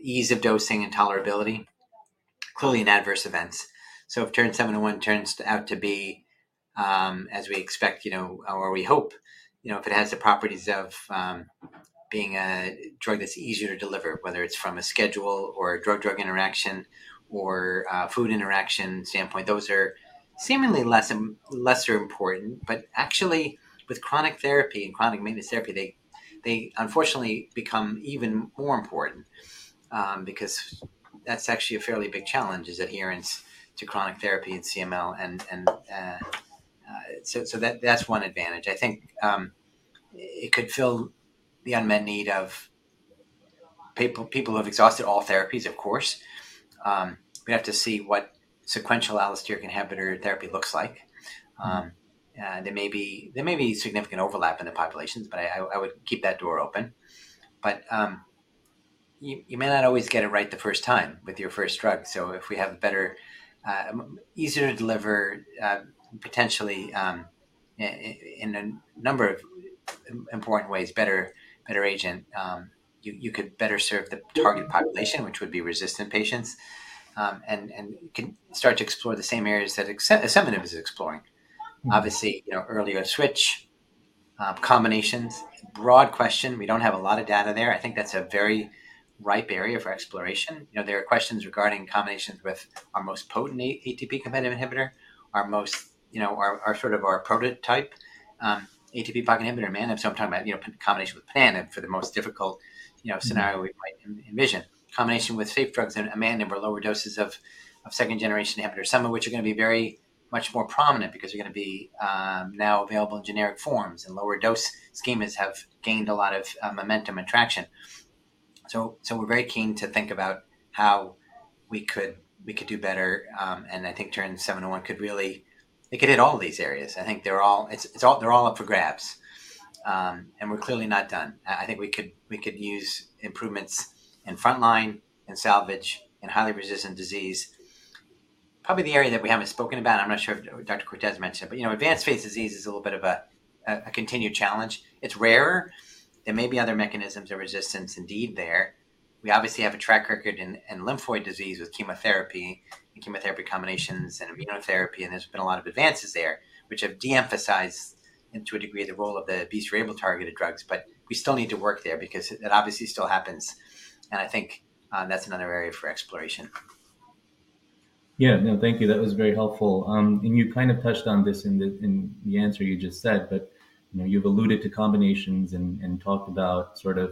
ease of dosing and tolerability, clearly in adverse events. If TERN-701 turns out to be, as we expect, you know, or we hope, you know, if it has the properties of being a drug that's easier to deliver, whether it's from a schedule, or a drug-drug interaction, or food interaction standpoint, those are seemingly lesser important. Actually, with chronic therapy and chronic maintenance therapy, they unfortunately become even more important, because that's actually a fairly big challenge, is adherence to chronic therapy in CML, and so that's one advantage. I think it could fill the unmet need of people who have exhausted all therapies, of course. We have to see what sequential allosteric inhibitor therapy looks like. There may be significant overlap in the populations, but I would keep that door open. You may not always get it right the first time with your first drug, so if we have a better, easier to deliver, potentially, in a number of important ways, better agent, you could better serve the target population, which would be resistant patients, and can start to explore the same areas that asciminib is exploring. Mm-hmm. Obviously, you know, earlier switch combinations. Broad question, we don't have a lot of data there. I think that's a very ripe area for exploration. You know, there are questions regarding combinations with our most potent ATP competitive inhibitor, our most, you know, our sort of our prototype ATP pocket inhibitor, imatinib. I'm talking about, you know, combination with ponatinib for the most difficult, you know. Mm-hmm scenario we might envision. Combination with safe drugs and a imatinib, or lower doses of second-generation inhibitors, some of which are gonna be very much more prominent because they're gonna be now available in generic forms, and lower dose schemes have gained a lot of momentum and traction. We're very keen to think about how we could do better, and I think TERN-701 could hit all of these areas. I think they're all up for grabs, and we're clearly not done. I think we could use improvements in frontline, in salvage, in highly resistant disease. Probably the area that we haven't spoken about, I'm not sure if Dr. Cortes mentioned, but, you know, advanced-phase disease is a little bit of a continued challenge. It's rarer. There may be other mechanisms of resistance indeed there. We obviously have a track record in lymphoid disease with chemotherapy, and chemotherapy combinations, and immunotherapy, and there's been a lot of advances there, which have de-emphasized, and to a degree, the role of the BCR-ABL-targeted drugs. We still need to work there because it obviously still happens, and I think that's another area for exploration. Yeah, no, thank you. That was very helpful. You kind of touched on this in the, in the answer you just said, but, you know, you've alluded to combinations and talked about sort of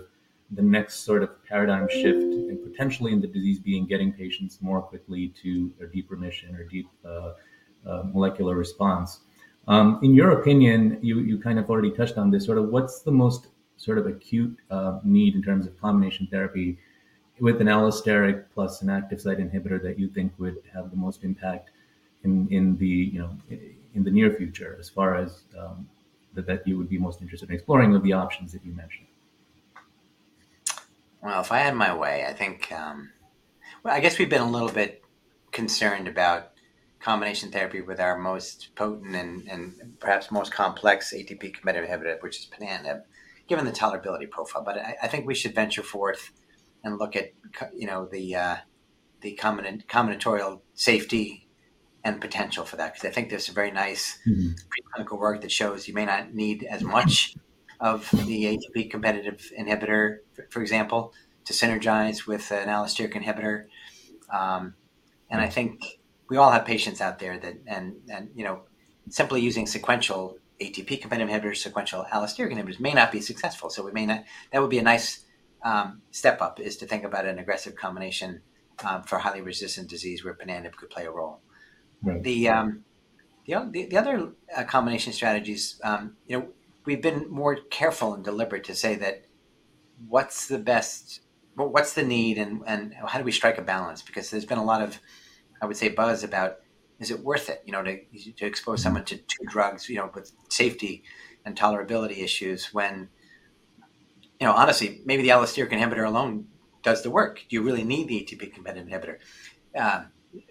the next sort of paradigm shift, and potentially in the disease being getting patients more quickly to a deep remission or deep molecular response. In your opinion, you kind of already touched on this, sort of, what's the most sort of acute need in terms of combination therapy with an allosteric plus an active site inhibitor that you think would have the most impact in the, you know, in the near future, as far as, that you would be most interested in exploring of the options that you mentioned? Well, if I had my way, I think, I guess we've been a little bit concerned about combination therapy with our most potent and perhaps most complex ATP competitive inhibitor, which is ponatinib, given the tolerability profile. I think we should venture forth and look at you know, the combinatorial safety and potential for that, 'cause I think there's some very nice. Mm-hmm... preclinical work that shows you may not need as much of the ATP competitive inhibitor, for example, to synergize with an allosteric inhibitor. I think we all have patients out there that... You know, simply using sequential ATP competitive inhibitors, sequential allosteric inhibitors may not be successful. That would be a nice step up, is to think about an aggressive combination for highly resistant disease, where ponatinib could play a role. Right. The other combination strategies, you know, we've been more careful and deliberate to say that, what's the need, and how do we strike a balance? There's been a lot of, I would say, buzz about, is it worth it, you know, to expose someone to two drugs, you know, with safety and tolerability issues, when, you know, honestly, maybe the allosteric inhibitor alone does the work. Do you really need the ATP competitive inhibitor?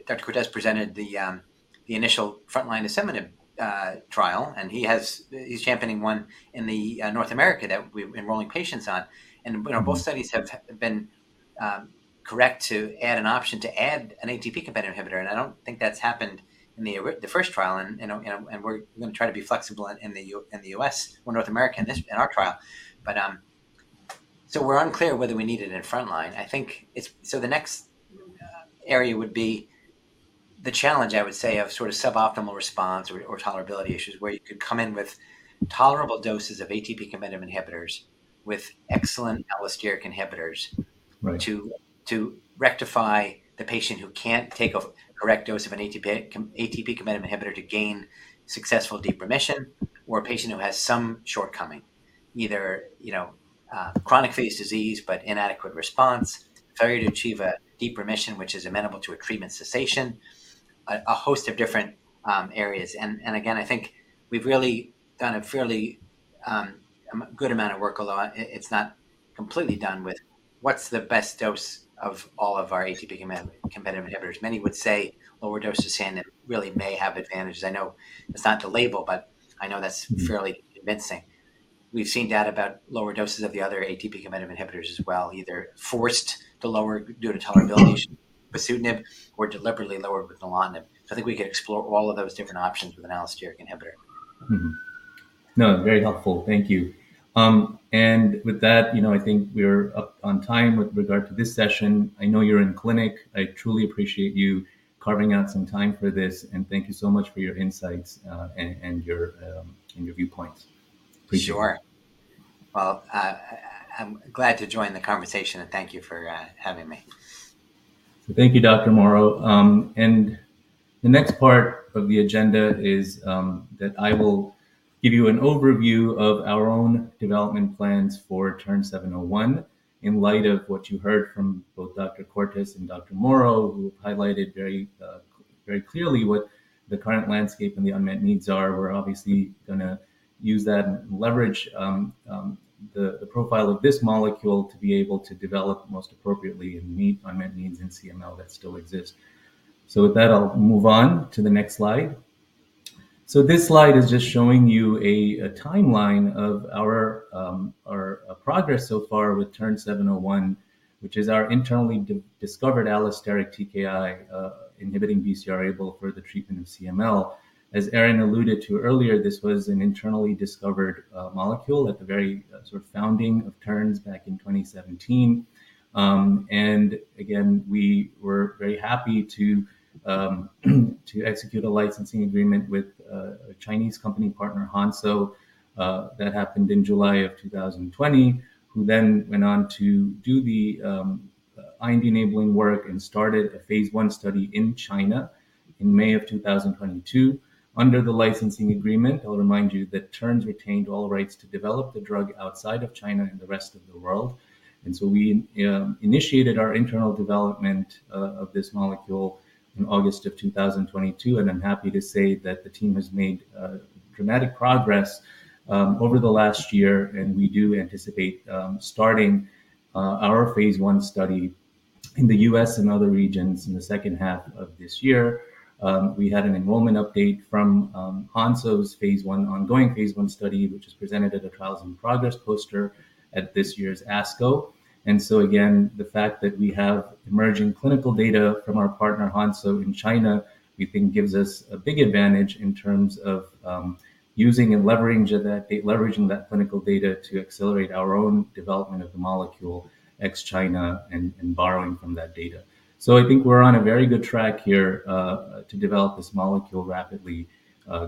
Dr. Cortes presented the initial frontline asciminib trial, and he's championing one in the North America that we're enrolling patients on. Mm-hmm. You know, both studies have been correct to add an option to add an ATP competitive inhibitor, and I don't think that's happened in the first trial. We're gonna try to be flexible in the in the US or North America in this, in our trial. We're unclear whether we need it in frontline. The next area would be the challenge, I would say, of sort of suboptimal response or tolerability issues, where you could come in with tolerable doses of ATP competitive inhibitors, with excellent allosteric inhibitors- Right... to rectify the patient who can't take a correct dose of an ATP competitive inhibitor to gain successful deep remission, or a patient who has some shortcoming, either, you know, chronic phase disease, but inadequate response, failure to achieve a deep remission, which is amenable to a treatment cessation, a host of different areas. Again, I think we've really done a fairly good amount of work, although it's not completely done with what's the best dose of all of our ATP competitive inhibitors. Many would say lower dose asciminib really may have advantages. I know it's not the label, but I know that's fairly convincing. We've seen data about lower doses of the other ATP competitive inhibitors as well, either forced to lower due to tolerability with dasatinib or deliberately lower with nilotinib. I think we could explore all of those different options with an allosteric inhibitor. Mm-hmm. No, very helpful. Thank you. With that, you know, I think we're up on time with regard to this session. I know you're in clinic. I truly appreciate you carving out some time for this, and thank you so much for your insights, and your viewpoints. Appreciate it. Sure. Well, I'm glad to join the conversation, and thank you for having me. Thank you, Dr. Mauro. The next part of the agenda is that I will give you an overview of our own development plans for TERN-701. In light of what you heard from both Dr. Cortes and Dr. Mauro, who highlighted very clearly what the current landscape and the unmet needs are, we're obviously gonna use that and leverage the profile of this molecule to be able to develop most appropriately and meet unmet needs in CML that still exist. With that, I'll move on to the next slide. This slide is just showing you a timeline of our progress so far with TERN-701, which is our internally discovered allosteric TKI inhibiting BCR-ABL for the treatment of CML. As Erin alluded to earlier, this was an internally discovered molecule at the very sort of founding of Terns back in 2017. Again, we were very happy to execute a licensing agreement with a Chinese company partner, Hansoh, that happened in July of 2020, who then went on to do the IND-enabling work and started a phase I study in China in May of 2022. Under the licensing agreement, I'll remind you that Terns retained all rights to develop the drug outside of China and the rest of the world. We initiated our internal development of this molecule in August of 2022, and I'm happy to say that the team has made dramatic progress over the last year, and we do anticipate starting our phase 1 study in the U.S. and other regions in the second half of this year. We had an enrollment update from Hansoh's ongoing phase 1 study, which was presented at a Trials in Progress poster at this year's ASCO. Again, the fact that we have emerging clinical data from our partner, Hansoh, in China, we think gives us a big advantage in terms of using and leveraging that clinical data to accelerate our own development of the molecule ex China and borrowing from that data. I think we're on a very good track here to develop this molecule rapidly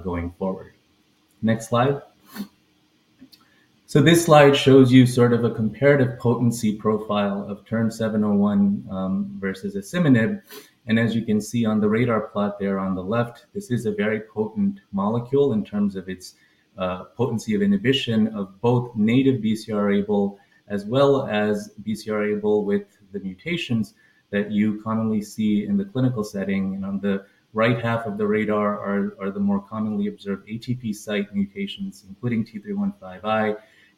going forward. Next slide. This slide shows you sort of a comparative potency profile of TERN-701 versus asciminib. As you can see on the radar plot there on the left, this is a very potent molecule in terms of its potency of inhibition of both native BCR-ABL, as well as BCR-ABL with the mutations that you commonly see in the clinical setting. On the right half of the radar are the more commonly observed ATP site mutations, including T315I.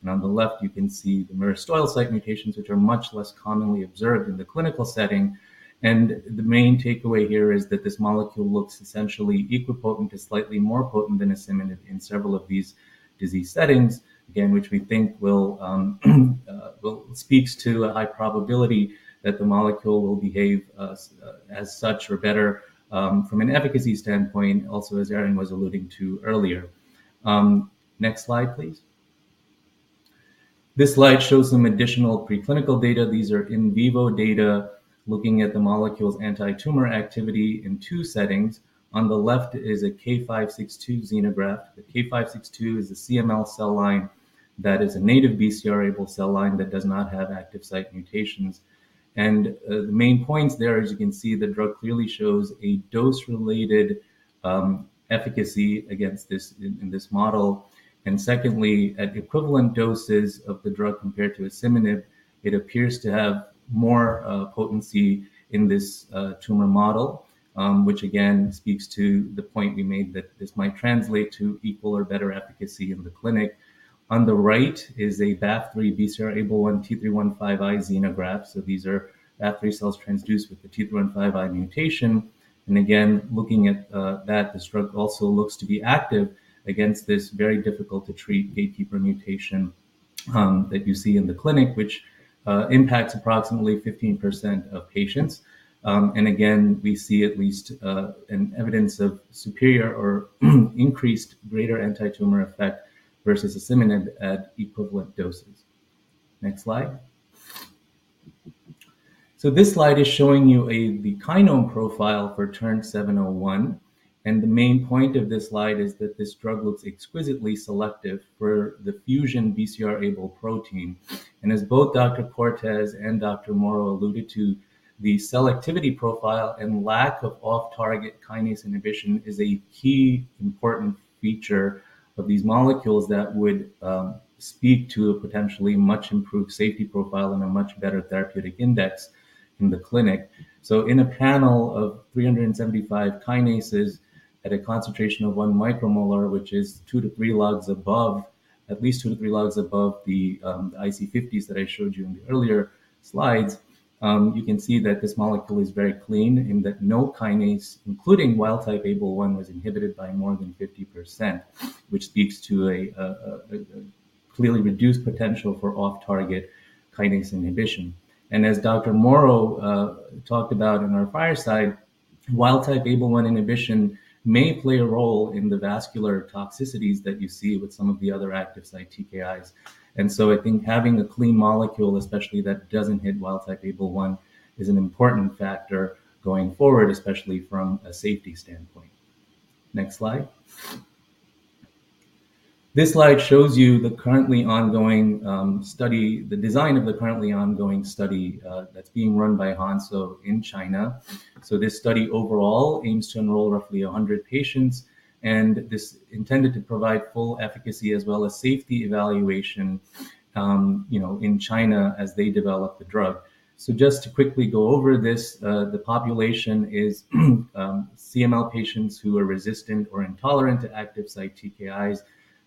On the left, you can see the myristoyl site mutations, which are much less commonly observed in the clinical setting. The main takeaway here is that this molecule looks essentially equipotent to slightly more potent than asciminib in several of these disease settings, again, which we think will, well, speaks to a high probability that the molecule will behave as such or better from an efficacy standpoint, also, as Erin was alluding to earlier. Next slide, please. This slide shows some additional preclinical data. These are in vivo data, looking at the molecule's antitumor activity in two settings. On the left is a K562 xenograft. The K562 is a CML cell line that is a native BCR-ABL cell line that does not have active site mutations. The main points there, as you can see, the drug clearly shows a dose-related efficacy against this in this model. Secondly, at equivalent doses of the drug compared to asciminib, it appears to have more potency in this tumor model, which again, speaks to the point we made that this might translate to equal or better efficacy in the clinic. On the right is a BAF3 BCR-ABL1 T315I xenograft, so these are BAF3 cells transduced with the T315I mutation. Again, looking at that, this drug also looks to be active against this very difficult-to-treat gatekeeper mutation that you see in the clinic, which impacts approximately 15% of patients. Again, we see at least an evidence of superior or increased greater antitumor effect versus asciminib at equivalent doses. Next slide. This slide is showing you the kinome profile for TERN-701, and the main point of this slide is that this drug looks exquisitely selective for the fusion BCR-ABL protein. As both Dr. Cortes and Dr. Mauro alluded to, the selectivity profile and lack of off-target kinase inhibition is a key important feature of these molecules that would speak to a potentially much improved safety profile and a much better therapeutic index in the clinic. In a panel of 375 kinases at a concentration of 1 micromolar, which is at least 2-3 logs above the IC50s that I showed you in the earlier slides, you can see that this molecule is very clean in that no kinase, including wild-type ABL1, was inhibited by more than 50%, which speaks to a clearly reduced potential for off-target kinase inhibition. As Dr. Mauro talked about in our fireside, wild-type ABL1 inhibition may play a role in the vascular toxicities that you see with some of the other actives like TKIs. I think having a clean molecule, especially that doesn't hit wild-type ABL1, is an important factor going forward, especially from a safety standpoint. Next slide. This slide shows you the design of the currently ongoing study that's being run by Hansoh in China. This study overall aims to enroll roughly 100 patients, and this intended to provide full efficacy as well as safety evaluation, you know, in China as they develop the drug. Just to quickly go over this, the population is CML patients who are resistant or intolerant to active site TKIs,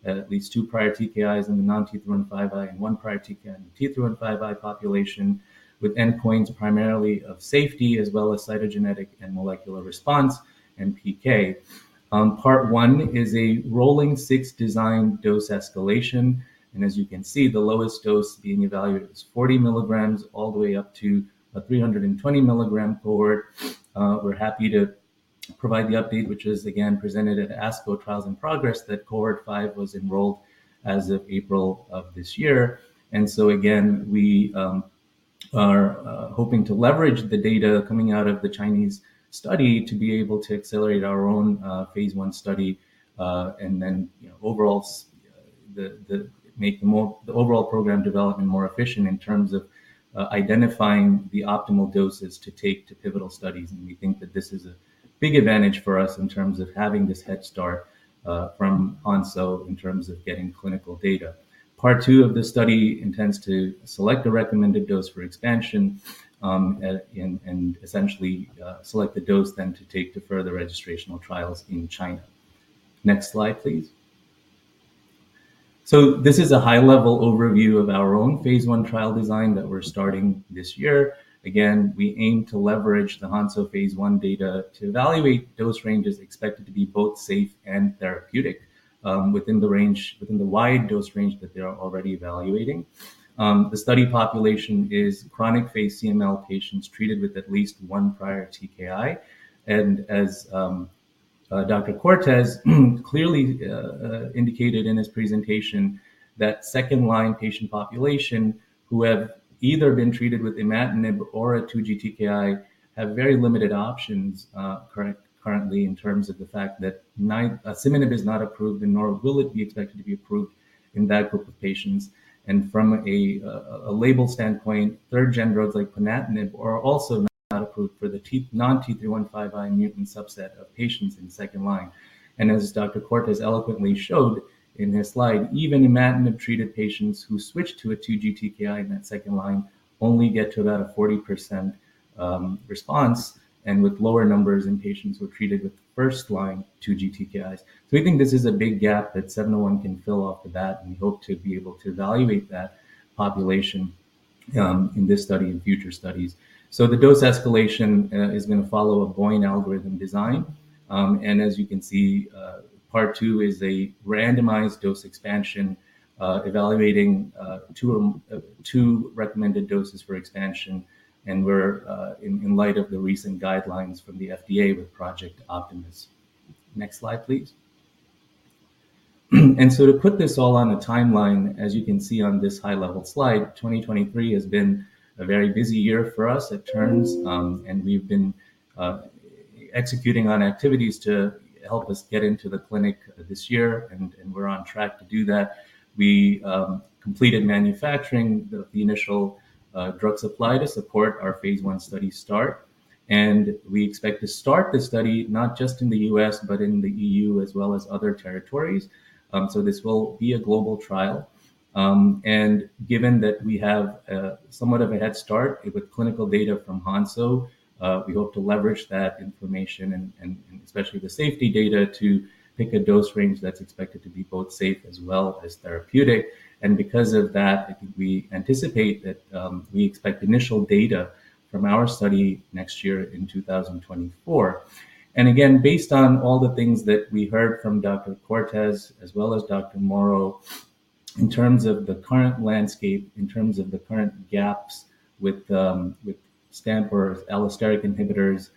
at least 2 prior TKIs in the non-T315I and 1 prior TKI in the T315I population, with endpoints primarily of safety as well as cytogenetic and molecular response and PK. Part one is a rolling six design dose escalation, and as you can see, the lowest dose being evaluated is 40 milligrams all the way up to a 320-milligram cohort. We're happy to provide the update, which is again presented at ASCO Trials in Progress, that cohort 5 was enrolled as of April of this year. Again, we are hoping to leverage the data coming out of the Chinese study to be able to accelerate our own phase I study, and then, you know, make the overall program development more efficient in terms of identifying the optimal doses to take to pivotal studies. We think that this is a big advantage for us in terms of having this head start from Hansoh in terms of getting clinical data. Part 2 of this study intends to select a recommended dose for expansion, and essentially select the dose then to take to further registrational trials in China. Next slide, please. This is a high-level overview of our own phase 1 trial design that we're starting this year. Again, we aim to leverage the Hansoh phase 1 data to evaluate dose ranges expected to be both safe and therapeutic within the wide dose range that they are already evaluating. The study population is chronic phase CML patients treated with at least one prior TKI. As Dr. Cortes clearly indicated in his presentation, that second-line patient population who have either been treated with imatinib or a 2GTKI, have very limited options currently, in terms of the fact that asciminib is not approved, and nor will it be expected to be approved in that group of patients. From a label standpoint, third-gen drugs like ponatinib are also not approved for the non-T315I mutant subset of patients in second line. As Dr. Cortes eloquently showed in his slide, even imatinib-treated patients who switched to a 2GTKI in that second line only get to about a 40% response, and with lower numbers in patients who are treated with first-line 2GTKIs. We think this is a big gap that TERN-701 can fill off the bat, and we hope to be able to evaluate that population in this study and future studies. The dose escalation is going to follow a BOIN algorithm design. As you can see, part 2 is a randomized dose expansion, evaluating two recommended doses for expansion, and we're in light of the recent guidelines from the FDA with Project Optimus. Next slide, please. To put this all on a timeline, as you can see on this high-level slide, 2023 has been a very busy year for us at Terns, and we've been executing on activities to help us get into the clinic this year, and we're on track to do that. We completed manufacturing the initial drug supply to support our phase I study start, and we expect to start the study, not just in the U.S., but in the EU as well as other territories. So this will be a global trial. Given that we have somewhat of a head start with clinical data from Hansoh, we hope to leverage that information and especially the safety data, to pick a dose range that's expected to be both safe as well as therapeutic. Because of that, we anticipate that we expect initial data from our study next year in 2024. Again, based on all the things that we heard from Dr. Cortes, as well as Dr. Dr. Mauro, in terms of the current landscape, in terms of the current gaps with the with stan or allosteric inhibitors,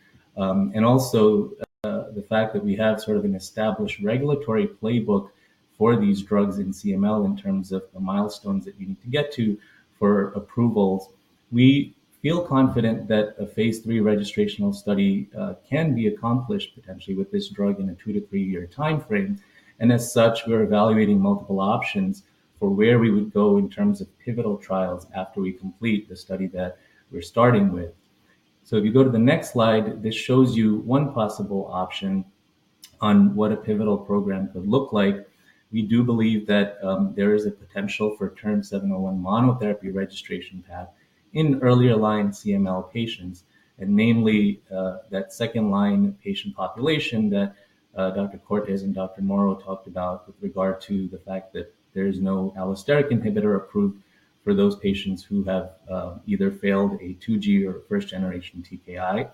and also the fact that we have sort of an established regulatory playbook for these drugs in CML in terms of the milestones that you need to get to for approvals, we feel confident that a phase III registrational study can be accomplished potentially with this drug in a 2- to 3-year time frame. As such, we're evaluating multiple options for where we would go in terms of pivotal trials after we complete the study that we're starting with. If you go to the next slide, this shows you one possible option on what a pivotal program could look like. We do believe that there is a potential for TERN-701 monotherapy registration path in earlier line CML patients, namely, that second-line patient population that Dr. Cortes and Dr. Mauro talked about with regard to the fact that there is no allosteric inhibitor approved for those patients who have either failed a 2G or a first-generation TKI.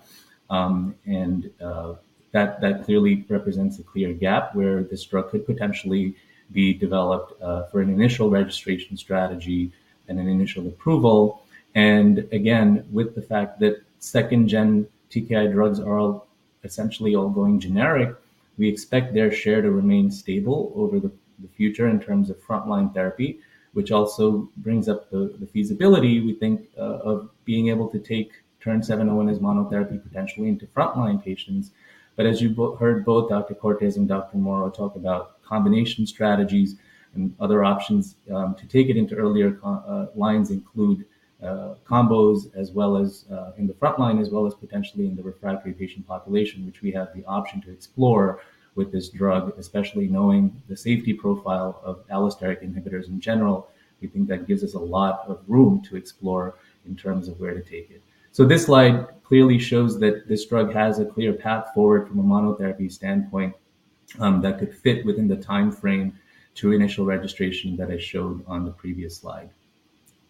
That clearly represents a clear gap where this drug could potentially be developed for an initial registration strategy and an initial approval. Again, with the fact that second-gen TKI drugs are essentially all going generic, we expect their share to remain stable over the future in terms of frontline therapy, which also brings up the feasibility, we think, of being able to take TERN-701 as monotherapy, potentially into frontline patients. As you heard both Dr. Cortes and Dr. Mauro talk about combination strategies and other options, to take it into earlier lines include combos as well as in the frontline, as well as potentially in the refractory patient population, which we have the option to explore with this drug, especially knowing the safety profile of allosteric inhibitors in general. We think that gives us a lot of room to explore in terms of where to take it. This slide clearly shows that this drug has a clear path forward from a monotherapy standpoint, that could fit within the time frame to initial registration that I showed on the previous slide.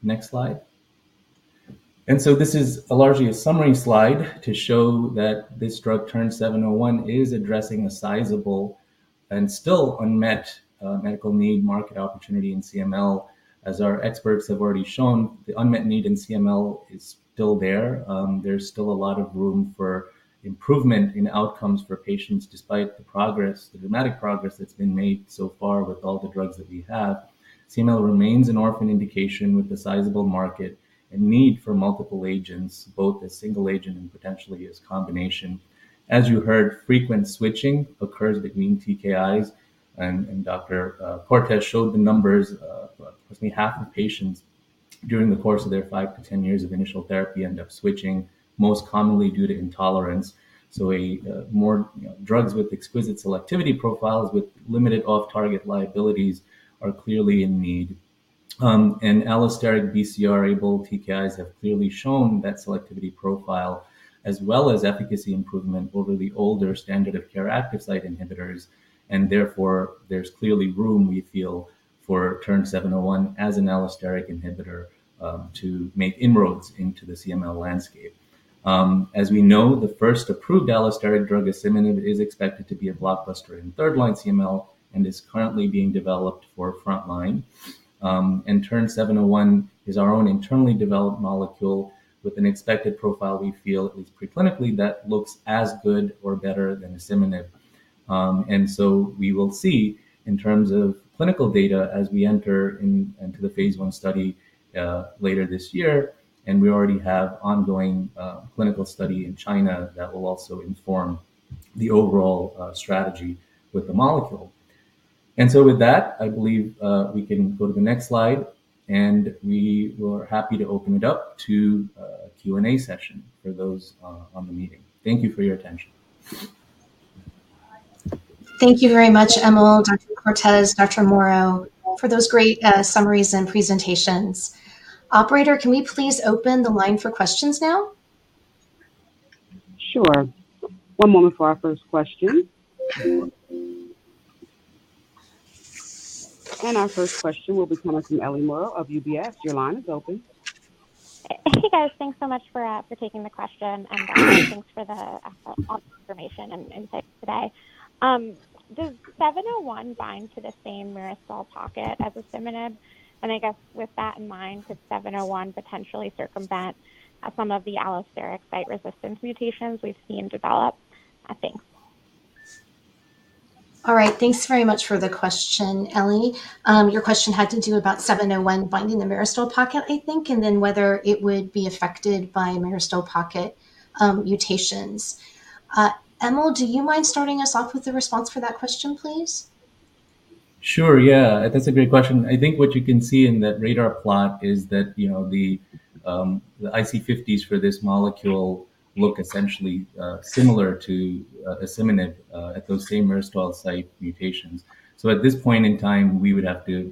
Next slide. This is largely a summary slide to show that this drug, TERN-701, is addressing a sizable and still unmet medical need market opportunity in CML. As our experts have already shown, the unmet need in CML is still there. There's still a lot of room for improvement in outcomes for patients, despite the progress, the dramatic progress that's been made so far with all the drugs that we have. CML remains an orphan indication with a sizable market and need for multiple agents, both as single agent and potentially as combination. As you heard, frequent switching occurs between TKIs, and Dr. Cortes showed the numbers, approximately half the patients during the course of their 5-10 years of initial therapy end up switching, most commonly due to intolerance. More, you know, drugs with exquisite selectivity profiles, with limited off-target liabilities are clearly in need. Allosteric BCR-ABL TKIs have clearly shown that selectivity profile, as well as efficacy improvement over the older standard of care active site inhibitors, and therefore, there's clearly room, we feel, for TERN-701 as an allosteric inhibitor, to make inroads into the CML landscape. We know, the first approved allosteric drug, asciminib, is expected to be a blockbuster in third-line CML and is currently being developed for front line. TERN-701 is our own internally developed molecule with an expected profile we feel is preclinically that looks as good or better than asciminib. We will see in terms of clinical data as we enter into the phase I study later this year, and we already have ongoing clinical study in China that will also inform the overall strategy with the molecule. With that, I believe, we can go to the next slide, and we were happy to open it up to a Q&A session for those on the meeting. Thank you for your attention. Thank you very much, Emil, Dr. Cortes, Dr. Mauro, for those great, summaries and presentations. Operator, can we please open the line for questions now? Sure. One moment for our first question. Our first question will be coming from Ellie Merle of UBS. Your line is open. Hey, guys, thanks so much for taking the question, and thanks for the all the information and insights today. Does seven-oh-one bind to the same myristoyl pocket as asciminib? I guess with that in mind, could seven-oh-one potentially circumvent some of the allosteric site resistance mutations we've seen develop? Thanks. All right. Thanks very much for the question, Ellie. Your question had to do about 701 binding the myristoyl pocket, I think, and then whether it would be affected by myristoyl pocket mutations. Emil, do you mind starting us off with a response for that question, please? Sure. Yeah, that's a great question. I think what you can see in that radar plot is that, you know, the IC50s for this molecule look essentially similar to asciminib at those same myristoyl site mutations. At this point in time,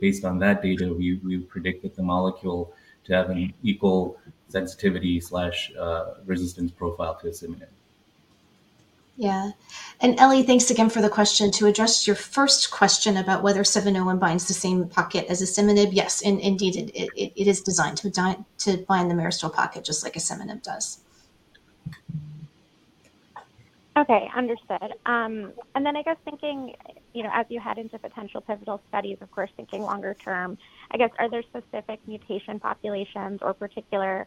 based on that data, we predict that the molecule to have an equal sensitivity/resistance profile to asciminib. Yeah. Ellie, thanks again for the question. To address your first question about whether 701 binds the same pocket as asciminib, yes, indeed, it is designed to bind the myristoyl pocket, just like asciminib does. Okay, understood. Then I guess thinking, you know, as you head into potential pivotal studies, of course, thinking longer term, I guess, are there specific mutation populations or particular,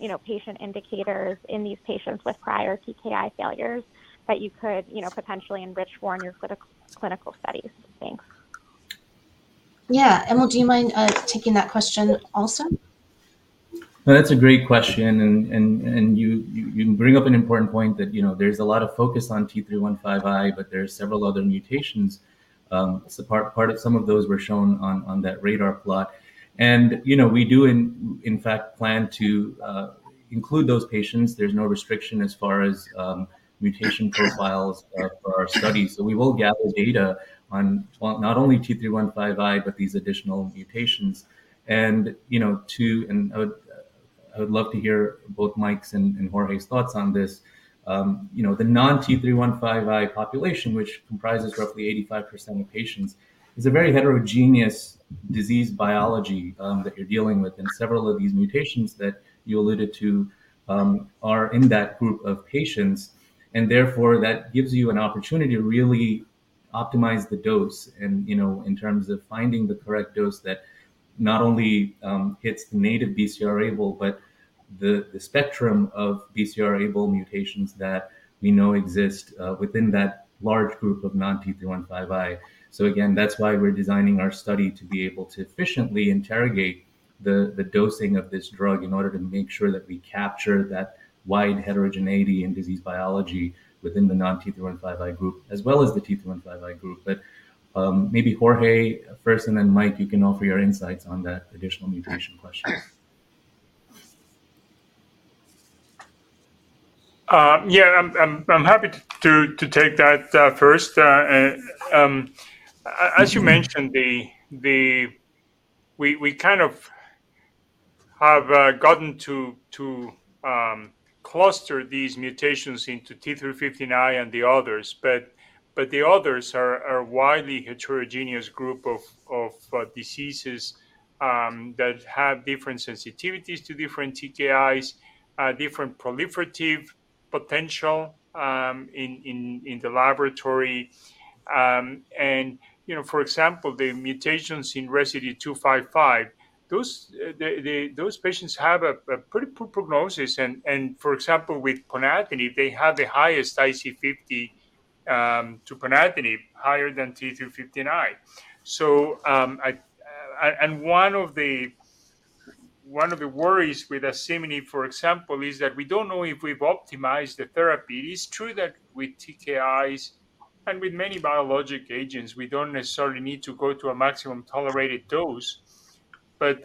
you know, patient indicators in these patients with prior TKI failures that you could, you know, potentially enrich for in your clinical studies? Thanks. Yeah. Emil, do you mind taking that question also? That's a great question, and you bring up an important point that, you know, there's a lot of focus on T315I, but there are several other mutations. So part of some of those were shown on that radar plot. You know, we do in fact plan to include those patients. There's no restriction as far as mutation profiles for our study. We will gather data on not only T315I, but these additional mutations. You know, too, I would love to hear both Mike's and Jorge's thoughts on this. You know, the non T315I population, which comprises roughly 85% of patients, is a very heterogeneous disease biology, that you're dealing with, and several of these mutations that you alluded to, are in that group of patients, and therefore, that gives you an opportunity to really optimize the dose and, you know, in terms of finding the correct dose that not only hits the native BCR-ABL, but the spectrum of BCR-ABL mutations that we know exist, within that large group of non T315I. Again, that's why we're designing our study to be able to efficiently interrogate the dosing of this drug in order to make sure that we capture that wide heterogeneity in disease biology within the non T315I group, as well as the T315I group. Maybe Jorge first, and then, Mike, you can offer your insights on that additional mutation question. Yeah, I'm happy to take that first. As you mentioned, we kind of have gotten to cluster these mutations into T315I and the others, but the others are a widely heterogeneous group of diseases that have different sensitivities to different TKIs, different proliferative potential in the laboratory. You know, for example, the mutations in residue 255, those patients have a pretty poor prognosis, and for example, with ponatinib, they have the highest IC50 to ponatinib higher than T315I. I and one of the worries with asciminib, for example, is that we don't know if we've optimized the therapy. It's true that with TKIs and with many biologic agents, we don't necessarily need to go to a maximum tolerated dose,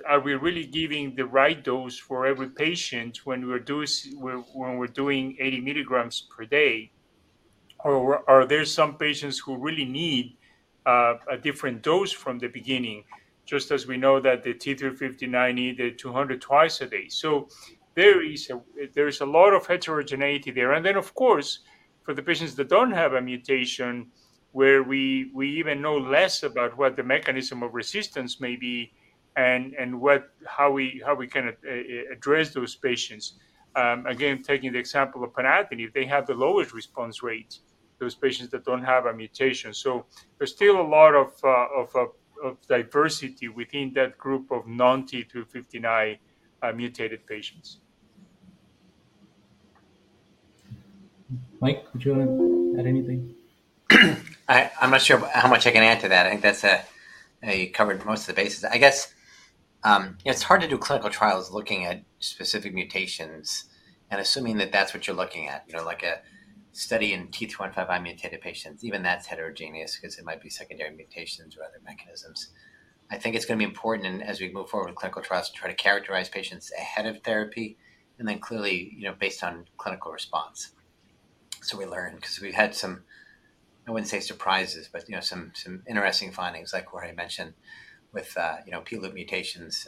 are we really giving the right dose for every patient when we're doing 80 milligrams per day? Are there some patients who really need a different dose from the beginning, just as we know that the T 259 need 200 twice a day? There is a lot of heterogeneity there. Of course, for the patients that don't have a mutation, where we even know less about what the mechanism of resistance may be and how we can address those patients. Again, taking the example of ponatinib, they have the lowest response rate, those patients that don't have a mutation. There's still a lot of diversity within that group of non T259 mutated patients. Mike, would you add anything? I'm not sure how much I can add to that. I think that's covered most of the bases. I guess, it's hard to do clinical trials looking at specific mutations and assuming that that's what you're looking at. You know, like a study in T315I mutated patients, even that's heterogeneous because it might be secondary mutations or other mechanisms. I think it's going to be important as we move forward with clinical trials to try to characterize patients ahead of therapy, and then clearly, you know, based on clinical response. We learned because we had some, I wouldn't say surprises, but, you know, some interesting findings, like Jorge mentioned, with, you know, P-loop mutations,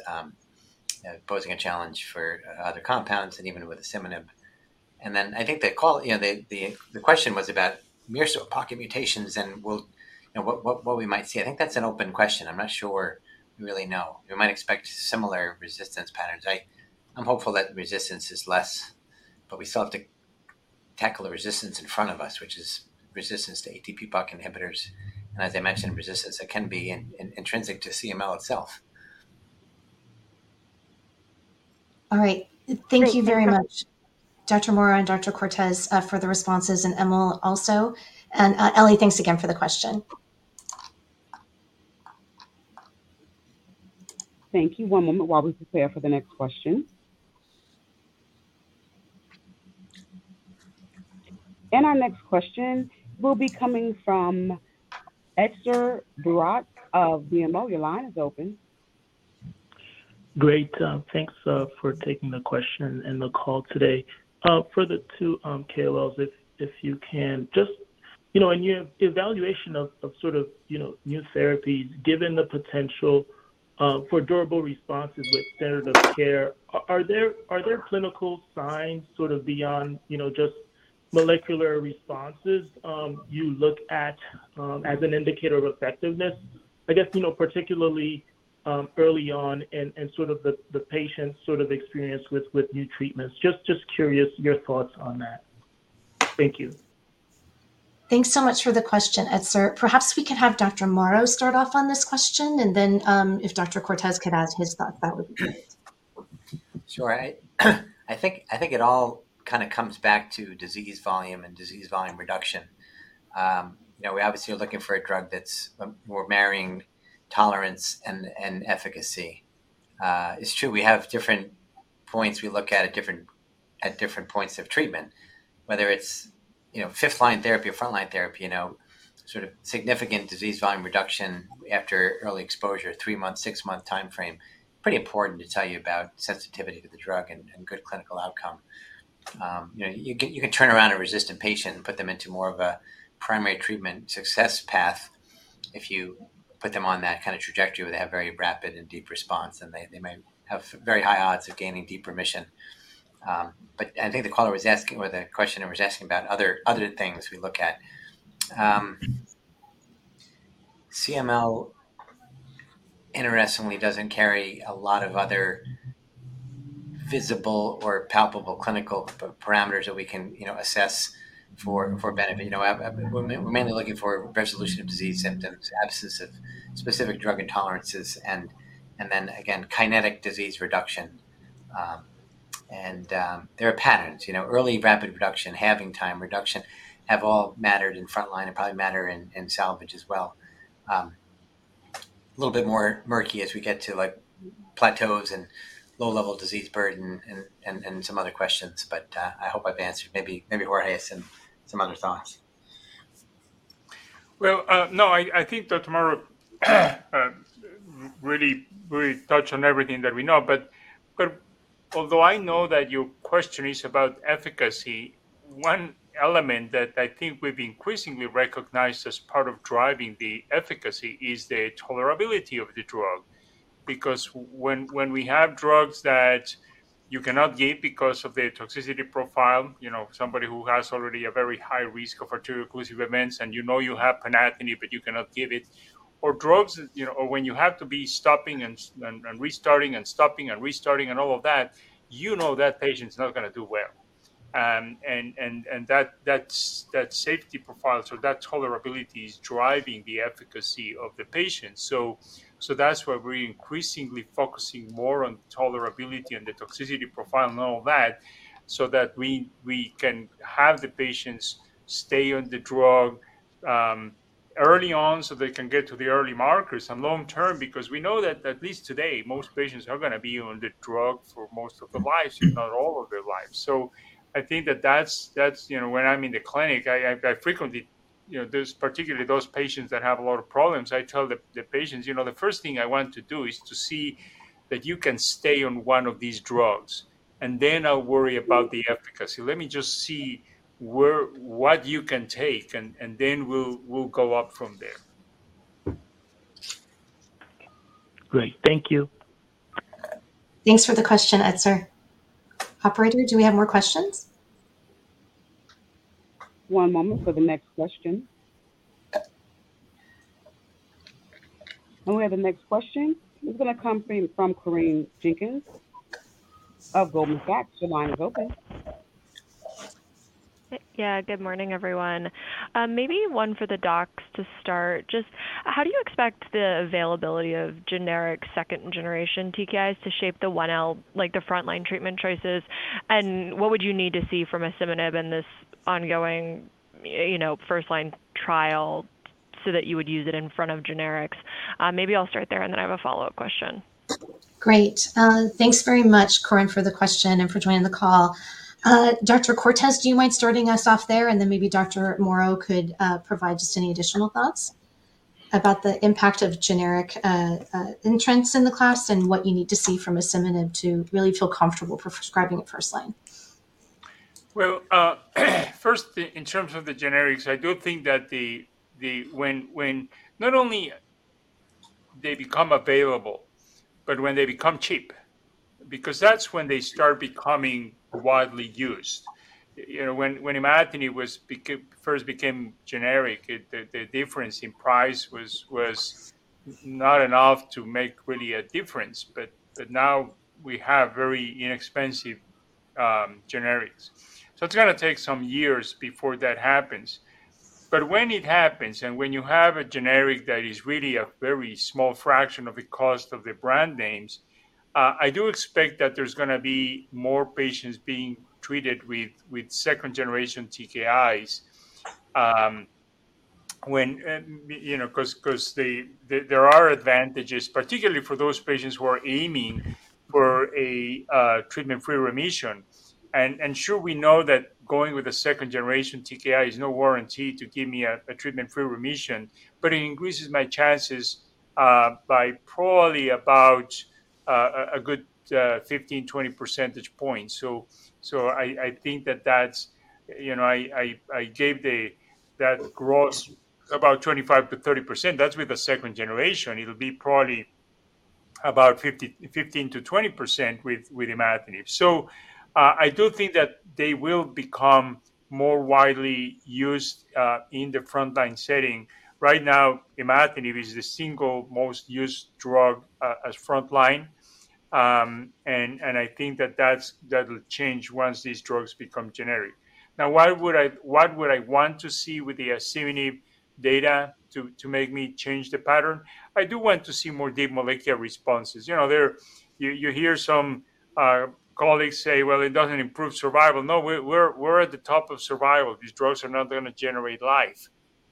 posing a challenge for other compounds and even with asciminib. I think you know, the question was about myristoyl pocket mutations, and we'll, you know, what we might see. I think that's an open question. I'm not sure we really know. We might expect similar resistance patterns. I'm hopeful that the resistance is less, but we still have to tackle the resistance in front of us, which is resistance to ATP pocket inhibitors, and as I mentioned, resistance that can be intrinsic to CML itself. All right. Thank you very much, Dr. Mauro and Dr. Cortes, for the responses, and Emil also. Ellie, thanks again for the question. Thank you. One moment while we prepare for the next question. Our next question will be coming from Etzer Darout of BMO. Your line is open. Great, thanks for taking the question and the call today. For the two KOLs, if you can just, you know, in your evaluation of sort of, you know, new therapies, given the potential for durable responses with standard of care, are there clinical signs, sort of beyond, you know, just molecular responses, you look at as an indicator of effectiveness? I guess, you know, particularly, early on and sort of the patient's sort of experience with new treatments. Just curious your thoughts on that. Thank you. Thanks so much for the question, Etzer. Perhaps we could have Dr. Mauro start off on this question, and then, if Dr. Cortes could add his thoughts, that would be great. Sure. I think it all kinda comes back to disease volume and disease volume reduction. You know, we obviously are looking for a drug that's, we're marrying tolerance and efficacy. It's true, we have different points. We look at it at different points of treatment, whether it's, you know, fifth-line therapy or front-line therapy, you know, sort of significant disease volume reduction after early exposure, 3-month, 6-month time frame. Pretty important to tell you about sensitivity to the drug and good clinical outcome. You know, you can turn around a resistant patient and put them into more of a primary treatment success path if you put them on that kind of trajectory, where they have very rapid and deep response, and they may have very high odds of gaining deeper remission. I think the caller was asking, or the questioner was asking about other things we look at. CML, interestingly, doesn't carry a lot of other visible or palpable clinical parameters that we can, you know, assess for benefit. You know, we're mainly looking for resolution of disease symptoms, absence of specific drug intolerances, and then again, kinetic disease reduction. There are patterns, you know, early rapid reduction, having time reduction, have all mattered in front line and probably matter in salvage as well. A little bit more murky as we get to, like, plateaus and low-level disease burden and some other questions. I hope I've answered. Maybe Jorge has some other thoughts. No, I think that Dr. Mauro really touched on everything that we know. Although I know that your question is about efficacy, one element that I think we've increasingly recognized as part of driving the efficacy is the tolerability of the drug. When we have drugs that you cannot give because of their toxicity profile, you know, somebody who has already a very high risk of arterial occlusive events, and you know you have ponatinib, but you cannot give it, or drugs, you know, or when you have to be stopping and restarting and stopping and restarting and all of that, you know that patient's not gonna do well. That's, that safety profile, so that tolerability is driving the efficacy of the patient. That's why we're increasingly focusing more on tolerability and the toxicity profile and all that, so that we can have the patients stay on the drug early on, so they can get to the early markers, and long term, because we know that at least today, most patients are gonna be on the drug for most of their lives, if not all of their lives. I think that that's, you know, when I'm in the clinic, I frequently, you know, there's particularly those patients that have a lot of problems, I tell the patients, "You know, the first thing I want to do is to see that you can stay on one of these drugs, and then I'll worry about the efficacy. Let me just see what you can take, and then we'll go up from there. Great. Thank you. Thanks for the question, Etzer. Operator, do we have more questions? One moment for the next question. We have the next question. It's gonna come from Corinne Jenkins of Goldman Sachs. Your line is open. Good morning, everyone. Maybe one for the docs to start. Just how do you expect the availability of generic second-generation TKIs to shape like, the frontline treatment choices? What would you need to see from asciminib in this ongoing, you know, first-line trial so that you would use it in front of generics? Maybe I'll start there, and then I have a follow-up question. Great. Thanks very much, Corinne, for the question and for joining the call. Dr. Cortes, do you mind starting us off there, and then maybe Dr. Mauro could provide just any additional thoughts about the impact of generic entrants in the class and what you need to see from asciminib to really feel comfortable prescribing it first line? First, in terms of the generics, I do think that the when not only they become available, but when they become cheap, because that's when they start becoming widely used. You know, when imatinib was first became generic, it, the difference in price was not enough to make really a difference, but now we have very inexpensive generics. It's gonna take some years before that happens. When it happens, and when you have a generic that is really a very small fraction of the cost of the brand names, I do expect that there's gonna be more patients being treated with second-generation TKIs. When, and, you know, 'cause the there are advantages, particularly for those patients who are aiming for a treatment-free remission. Sure, we know that going with a 2GTKI is no warranty to give me a treatment-free remission, but it increases my chances by probably about a good 15, 20 percentage points. I think that that's, you know, I gave that gross about 25%-30%. That's with the 2GTKI. It'll be probably about 15%-20% with imatinib. I do think that they will become more widely used in the frontline setting. Right now, imatinib is the single most used drug as frontline, and I think that that will change once these drugs become generic. Now, what would I want to see with the asciminib data to make me change the pattern? I do want to see more deep molecular responses. You know, you hear some colleagues say, "Well, it doesn't improve survival." No. We're at the top of survival. These drugs are not gonna generate life,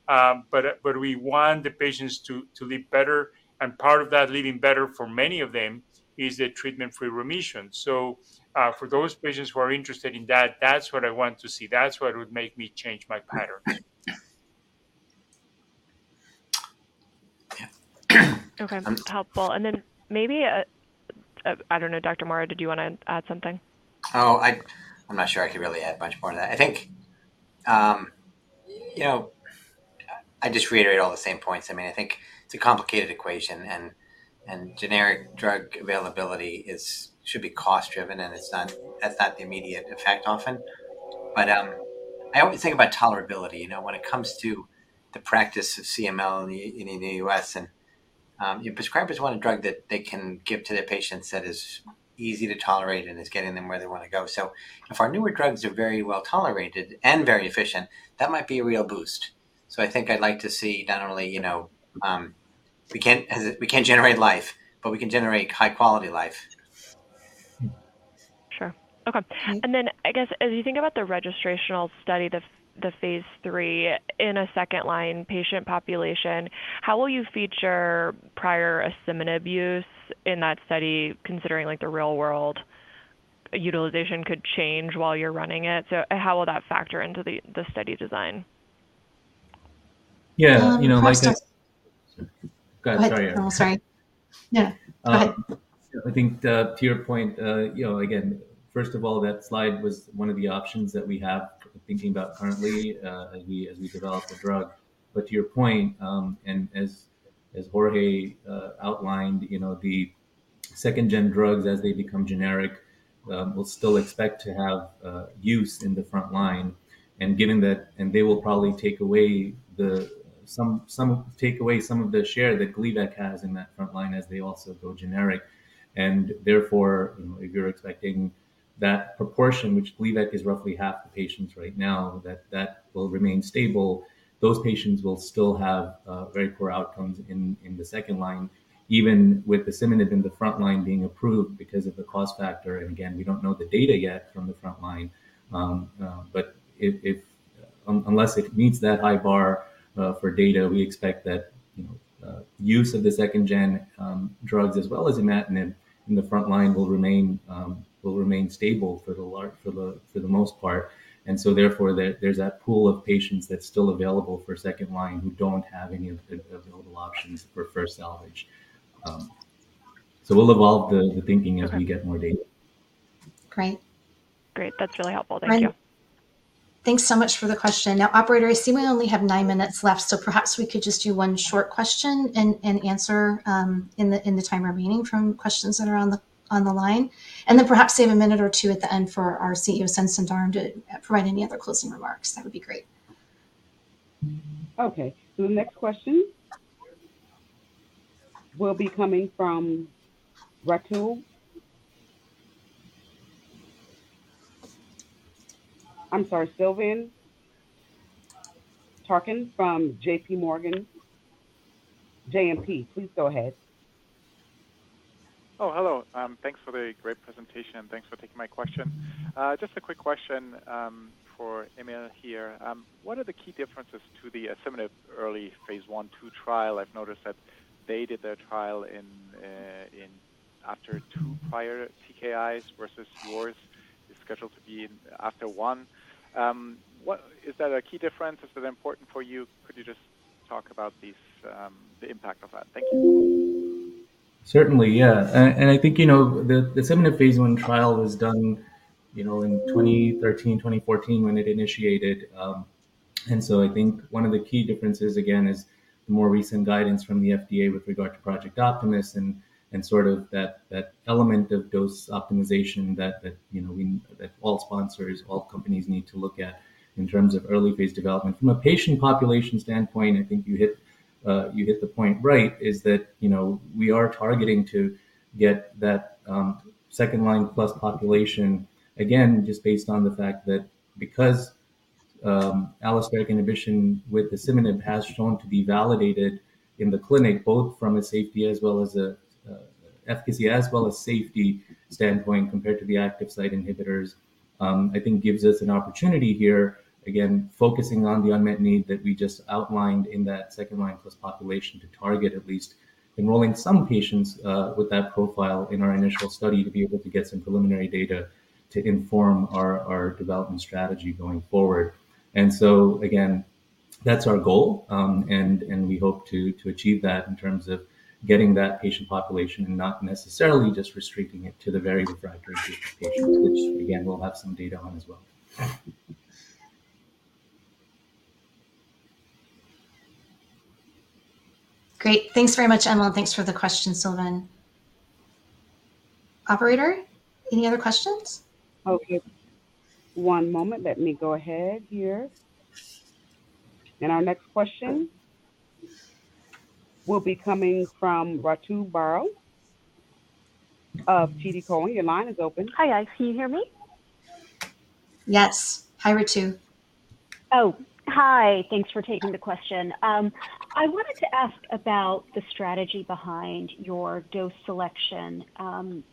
but we want the patients to live better, and part of that living better for many of them is the treatment-free remission. For those patients who are interested in that's what I want to see. That's what would make me change my pattern. Okay, that's helpful. Maybe, I don't know, Dr. Mauro, did you wanna add something? Oh, I'm not sure I could really add much more to that. I think, you know, I'd just reiterate all the same points. I mean, I think it's a complicated equation, and generic drug availability should be cost-driven, and it's not. That's not the immediate effect often. I always think about tolerability, you know, when it comes to the practice of CML in the US, and your prescribers want a drug that they can give to their patients that is easy to tolerate and is getting them where they wanna go. If our newer drugs are very well-tolerated and very efficient, that might be a real boost. I think I'd like to see not only, you know, We can't generate life, but we can generate high-quality life. Sure. Okay. I guess, as you think about the registrational study, the phase III in a second-line patient population, how will you feature prior asciminib use in that study, considering, like, the real-world utilization could change while you're running it? How will that factor into the study design? Yeah, you know, like... I'll start. Go ahead. Sorry. Oh, sorry. Yeah, go ahead. I think, to your point, you know, again, first of all, that slide was one of the options that we have thinking about currently, as we develop the drug. To your point, and as Jorge outlined, you know, the second-gen drugs, as they become generic, we'll still expect to have use in the front line. Given that, they will probably take away some of the share that Gleevec has in that front line as they also go generic. Therefore, you know, if you're expecting that proportion, which Gleevec is roughly half the patients right now, that will remain stable, those patients will still have very poor outcomes in the second line, even with asciminib in the front line being approved because of the cost factor. Again, we don't know the data yet from the front line, but unless it meets that high bar for data, we expect that use of the second-gen drugs as well as imatinib in the front line will remain stable for the most part. Therefore, there's that pool of patients that's still available for second line who don't have any of the available options for first salvage. We'll evolve the thinking. Okay. as we get more data. Great. Great. That's really helpful. Thank you. Thanks so much for the question. Operator, I see we only have nine minutes left. Perhaps we could just do one short question and answer in the time remaining from questions that are on the line. Perhaps save a minute or two at the end for our CEO, Sundar, to provide any other closing remarks. That would be great. The next question will be coming from Ritu. I'm sorry, Silvan Tuerkcan from J.P. Morgan. JPM, please go ahead. Hello. Thanks for the great presentation, and thanks for taking my question. Just a quick question for Emil here. What are the key differences to the asciminib early phase I/II trial? I've noticed that they did their trial after 2 prior TKIs versus yours, is scheduled to be in after 1. Is that a key difference? Is it important for you? Could you just talk about these, the impact of that? Thank you. Certainly, yeah. I think, you know, the asciminib phase I trial was done, you know, in 2013, 2014, when it initiated. I think one of the key differences, again, is the more recent guidance from the FDA with regard to Project Optimus and sort of that element of dose optimization that, you know, that all sponsors, all companies need to look at in terms of early phase development. From a patient population standpoint, I think you hit the point right, is that, you know, we are targeting to get that second-line-plus population, again, just based on the fact that because allosteric inhibition with asciminib has shown to be validated in the clinic, both from a safety as well as a efficacy, as well as safety standpoint, compared to the active site inhibitors, I think gives us an opportunity here, again, focusing on the unmet need that we just outlined in that second-line-plus population to target at least enrolling some patients with that profile in our initial study, to be able to get some preliminary data to inform our development strategy going forward. Again, that's our goal, and we hope to achieve that in terms of getting that patient population and not necessarily just restricting it to the very refractory patient, which again, we'll have some data on as well. Great. Thanks very much, Emil, and thanks for the question, Sylvain. Operator, any other questions? Okay, one moment. Let me go ahead here. Our next question will be coming from Ritu Baral of TD Cowen. Your line is open. Hi, guys. Can you hear me? Yes. Hi, Ratu. Hi. Thanks for taking the question. I wanted to ask about the strategy behind your dose selection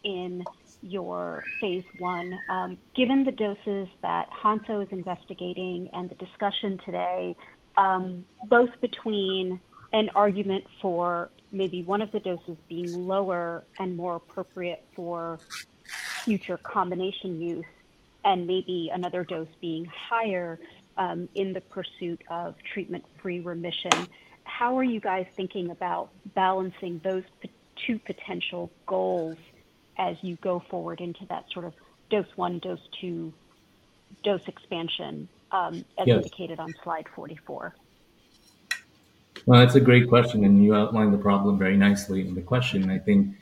in your phase I. Given the doses that Hansoh is investigating and the discussion today, both between an argument for maybe one of the doses being lower and more appropriate for future combination use and maybe another dose being higher, in the pursuit of treatment-free remission, how are you guys thinking about balancing those two potential goals as you go forward into that sort of dose one, dose two, dose expansion, Yes. as indicated on slide 44? Well, that's a great question. You outlined the problem very nicely in the question. I think,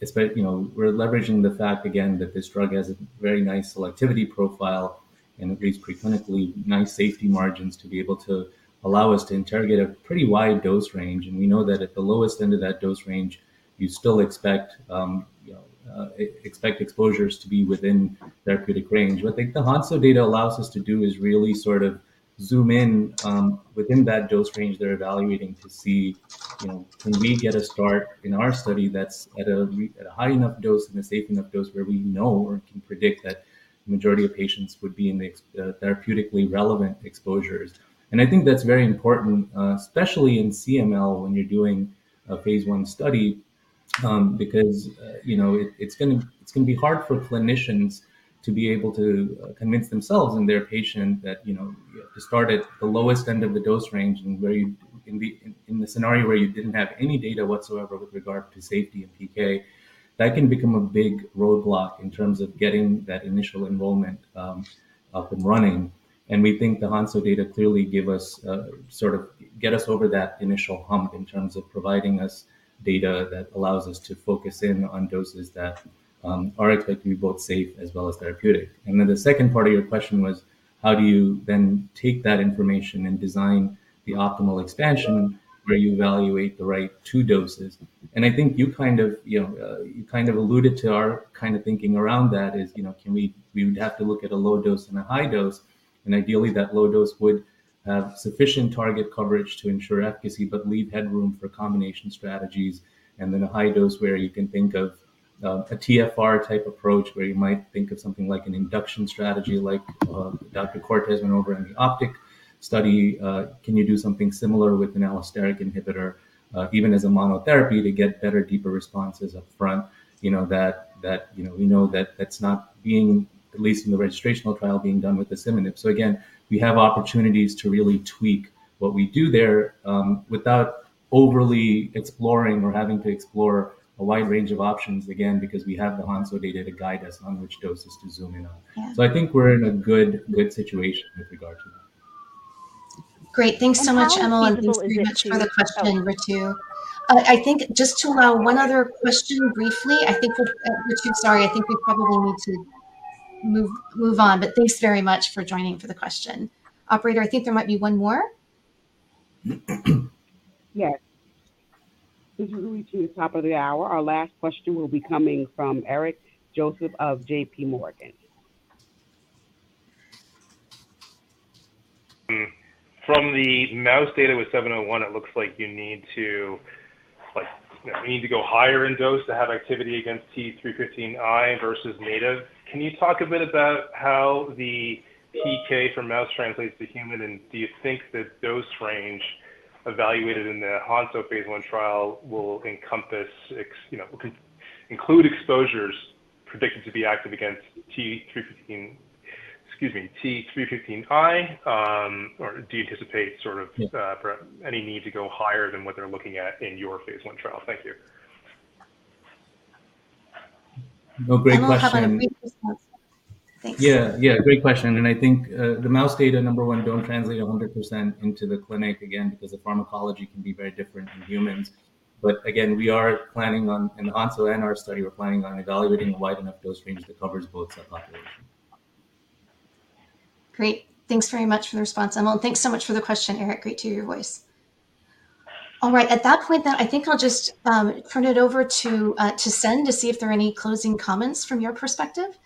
especially, you know, we're leveraging the fact again, that this drug has a very nice selectivity profile and agrees preclinically nice safety margins to be able to allow us to interrogate a pretty wide dose range. We know that at the lowest end of that dose range, you still expect, you know, exposures to be within therapeutic range. What I think the Hansoh data allows us to do is really sort of zoom in within that dose range they're evaluating to see, you know, can we get a start in our study that's at a high enough dose and a safe enough dose where we know or can predict that majority of patients would be in the therapeutically relevant exposures. I think that's very important, especially in CML when you're doing a phase I study, because, you know, it's gonna be hard for clinicians to be able to convince themselves and their patient that, you know, to start at the lowest end of the dose range and where you can be... In the scenario where you didn't have any data whatsoever with regard to safety and PK, that can become a big roadblock in terms of getting that initial enrollment up and running. We think the Hansoh data clearly give us get us over that initial hump in terms of providing us data that allows us to focus in on doses that are expected to be both safe as well as therapeutic. The second part of your question was, how do you then take that information and design the optimal expansion where you evaluate the right two doses? I think you kind of, you know, you kind of alluded to our kind of thinking around that is, you know, we would have to look at a low dose and a high dose, and ideally, that low dose would have sufficient target coverage to ensure efficacy but leave headroom for combination strategies, and then a high dose where you can think of a TFR type approach, where you might think of something like an induction strategy, like Dr. Cortes went over in the OPTIC study. Can you do something similar with an allosteric inhibitor, even as a monotherapy to get better, deeper responses up front? You know, that, you know, we know that that's not being, at least in the registrational trial, being done with asciminib. Again, we have opportunities to really tweak what we do there, without overly exploring or having to explore a wide range of options, again, because we have the Hansoh data to guide us on which doses to zoom in on. Yeah. I think we're in a good situation with regard to that. Great. Thanks so much, Emil, and thanks very much for the question, Ritu. I think just to allow one other question briefly, I think, Ritu, sorry, I think we probably need to move on, but thanks very much for joining for the question. Operator, I think there might be one more. This is going to the top of the hour. Our last question will be coming from Eric Joseph of J.P. Morgan. From the mouse data with TERN-701, it looks like you need to, like, you need to go higher in dose to have activity against T315I versus native. Can you talk a bit about how the PK from mouse translates to human, and do you think that dose range evaluated in the Hansoh Phase 1 trial will include exposures predicted to be active against T315-- excuse me, T315I? Or do you anticipate sort of for any need to go higher than what they're looking at in your Phase 1 trial? Thank you. No, great question. We'll have a great response. Thanks. Yeah. Yeah, great question, and I think the mouse data, number one, don't translate 100% into the clinic, again, because the pharmacology can be very different in humans. Again, we are planning on, in the Hansoh and our study, we're planning on evaluating a wide enough dose range that covers both subpopulations. Great. Thanks very much for the response, Emil. Thanks so much for the question, Eric. Great to hear your voice. All right, at that point then, I think I'll just turn it over to Sen to see if there are any closing comments from your perspective.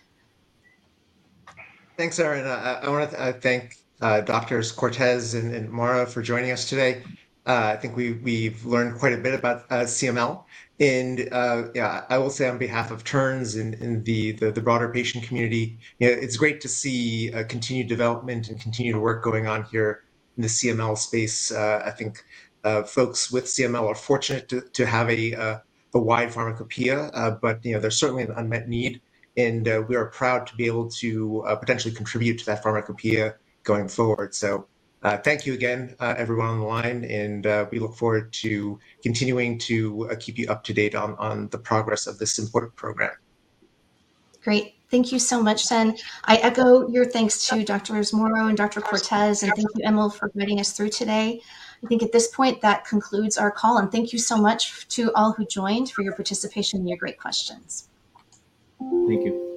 Thanks, Erin. I wanna thank Doctors Cortes and Mauro for joining us today. I think we've learned quite a bit about CML. Yeah, I will say on behalf of Terns and the broader patient community, you know, it's great to see continued development and continued work going on here in the CML space. I think folks with CML are fortunate to have a wide pharmacopoeia, but, you know, there's certainly an unmet need, and we are proud to be able to potentially contribute to that pharmacopoeia going forward. Thank you again, everyone on the line, and we look forward to continuing to keep you up to date on the progress of this important program. Great. Thank you so much, Sen. I echo your thanks to Doctors Mauro and Dr. Cortes, and thank you, Emil, for getting us through today. I think at this point, that concludes our call. And thank you so much to all who joined, for your participation and your great questions. Thank you.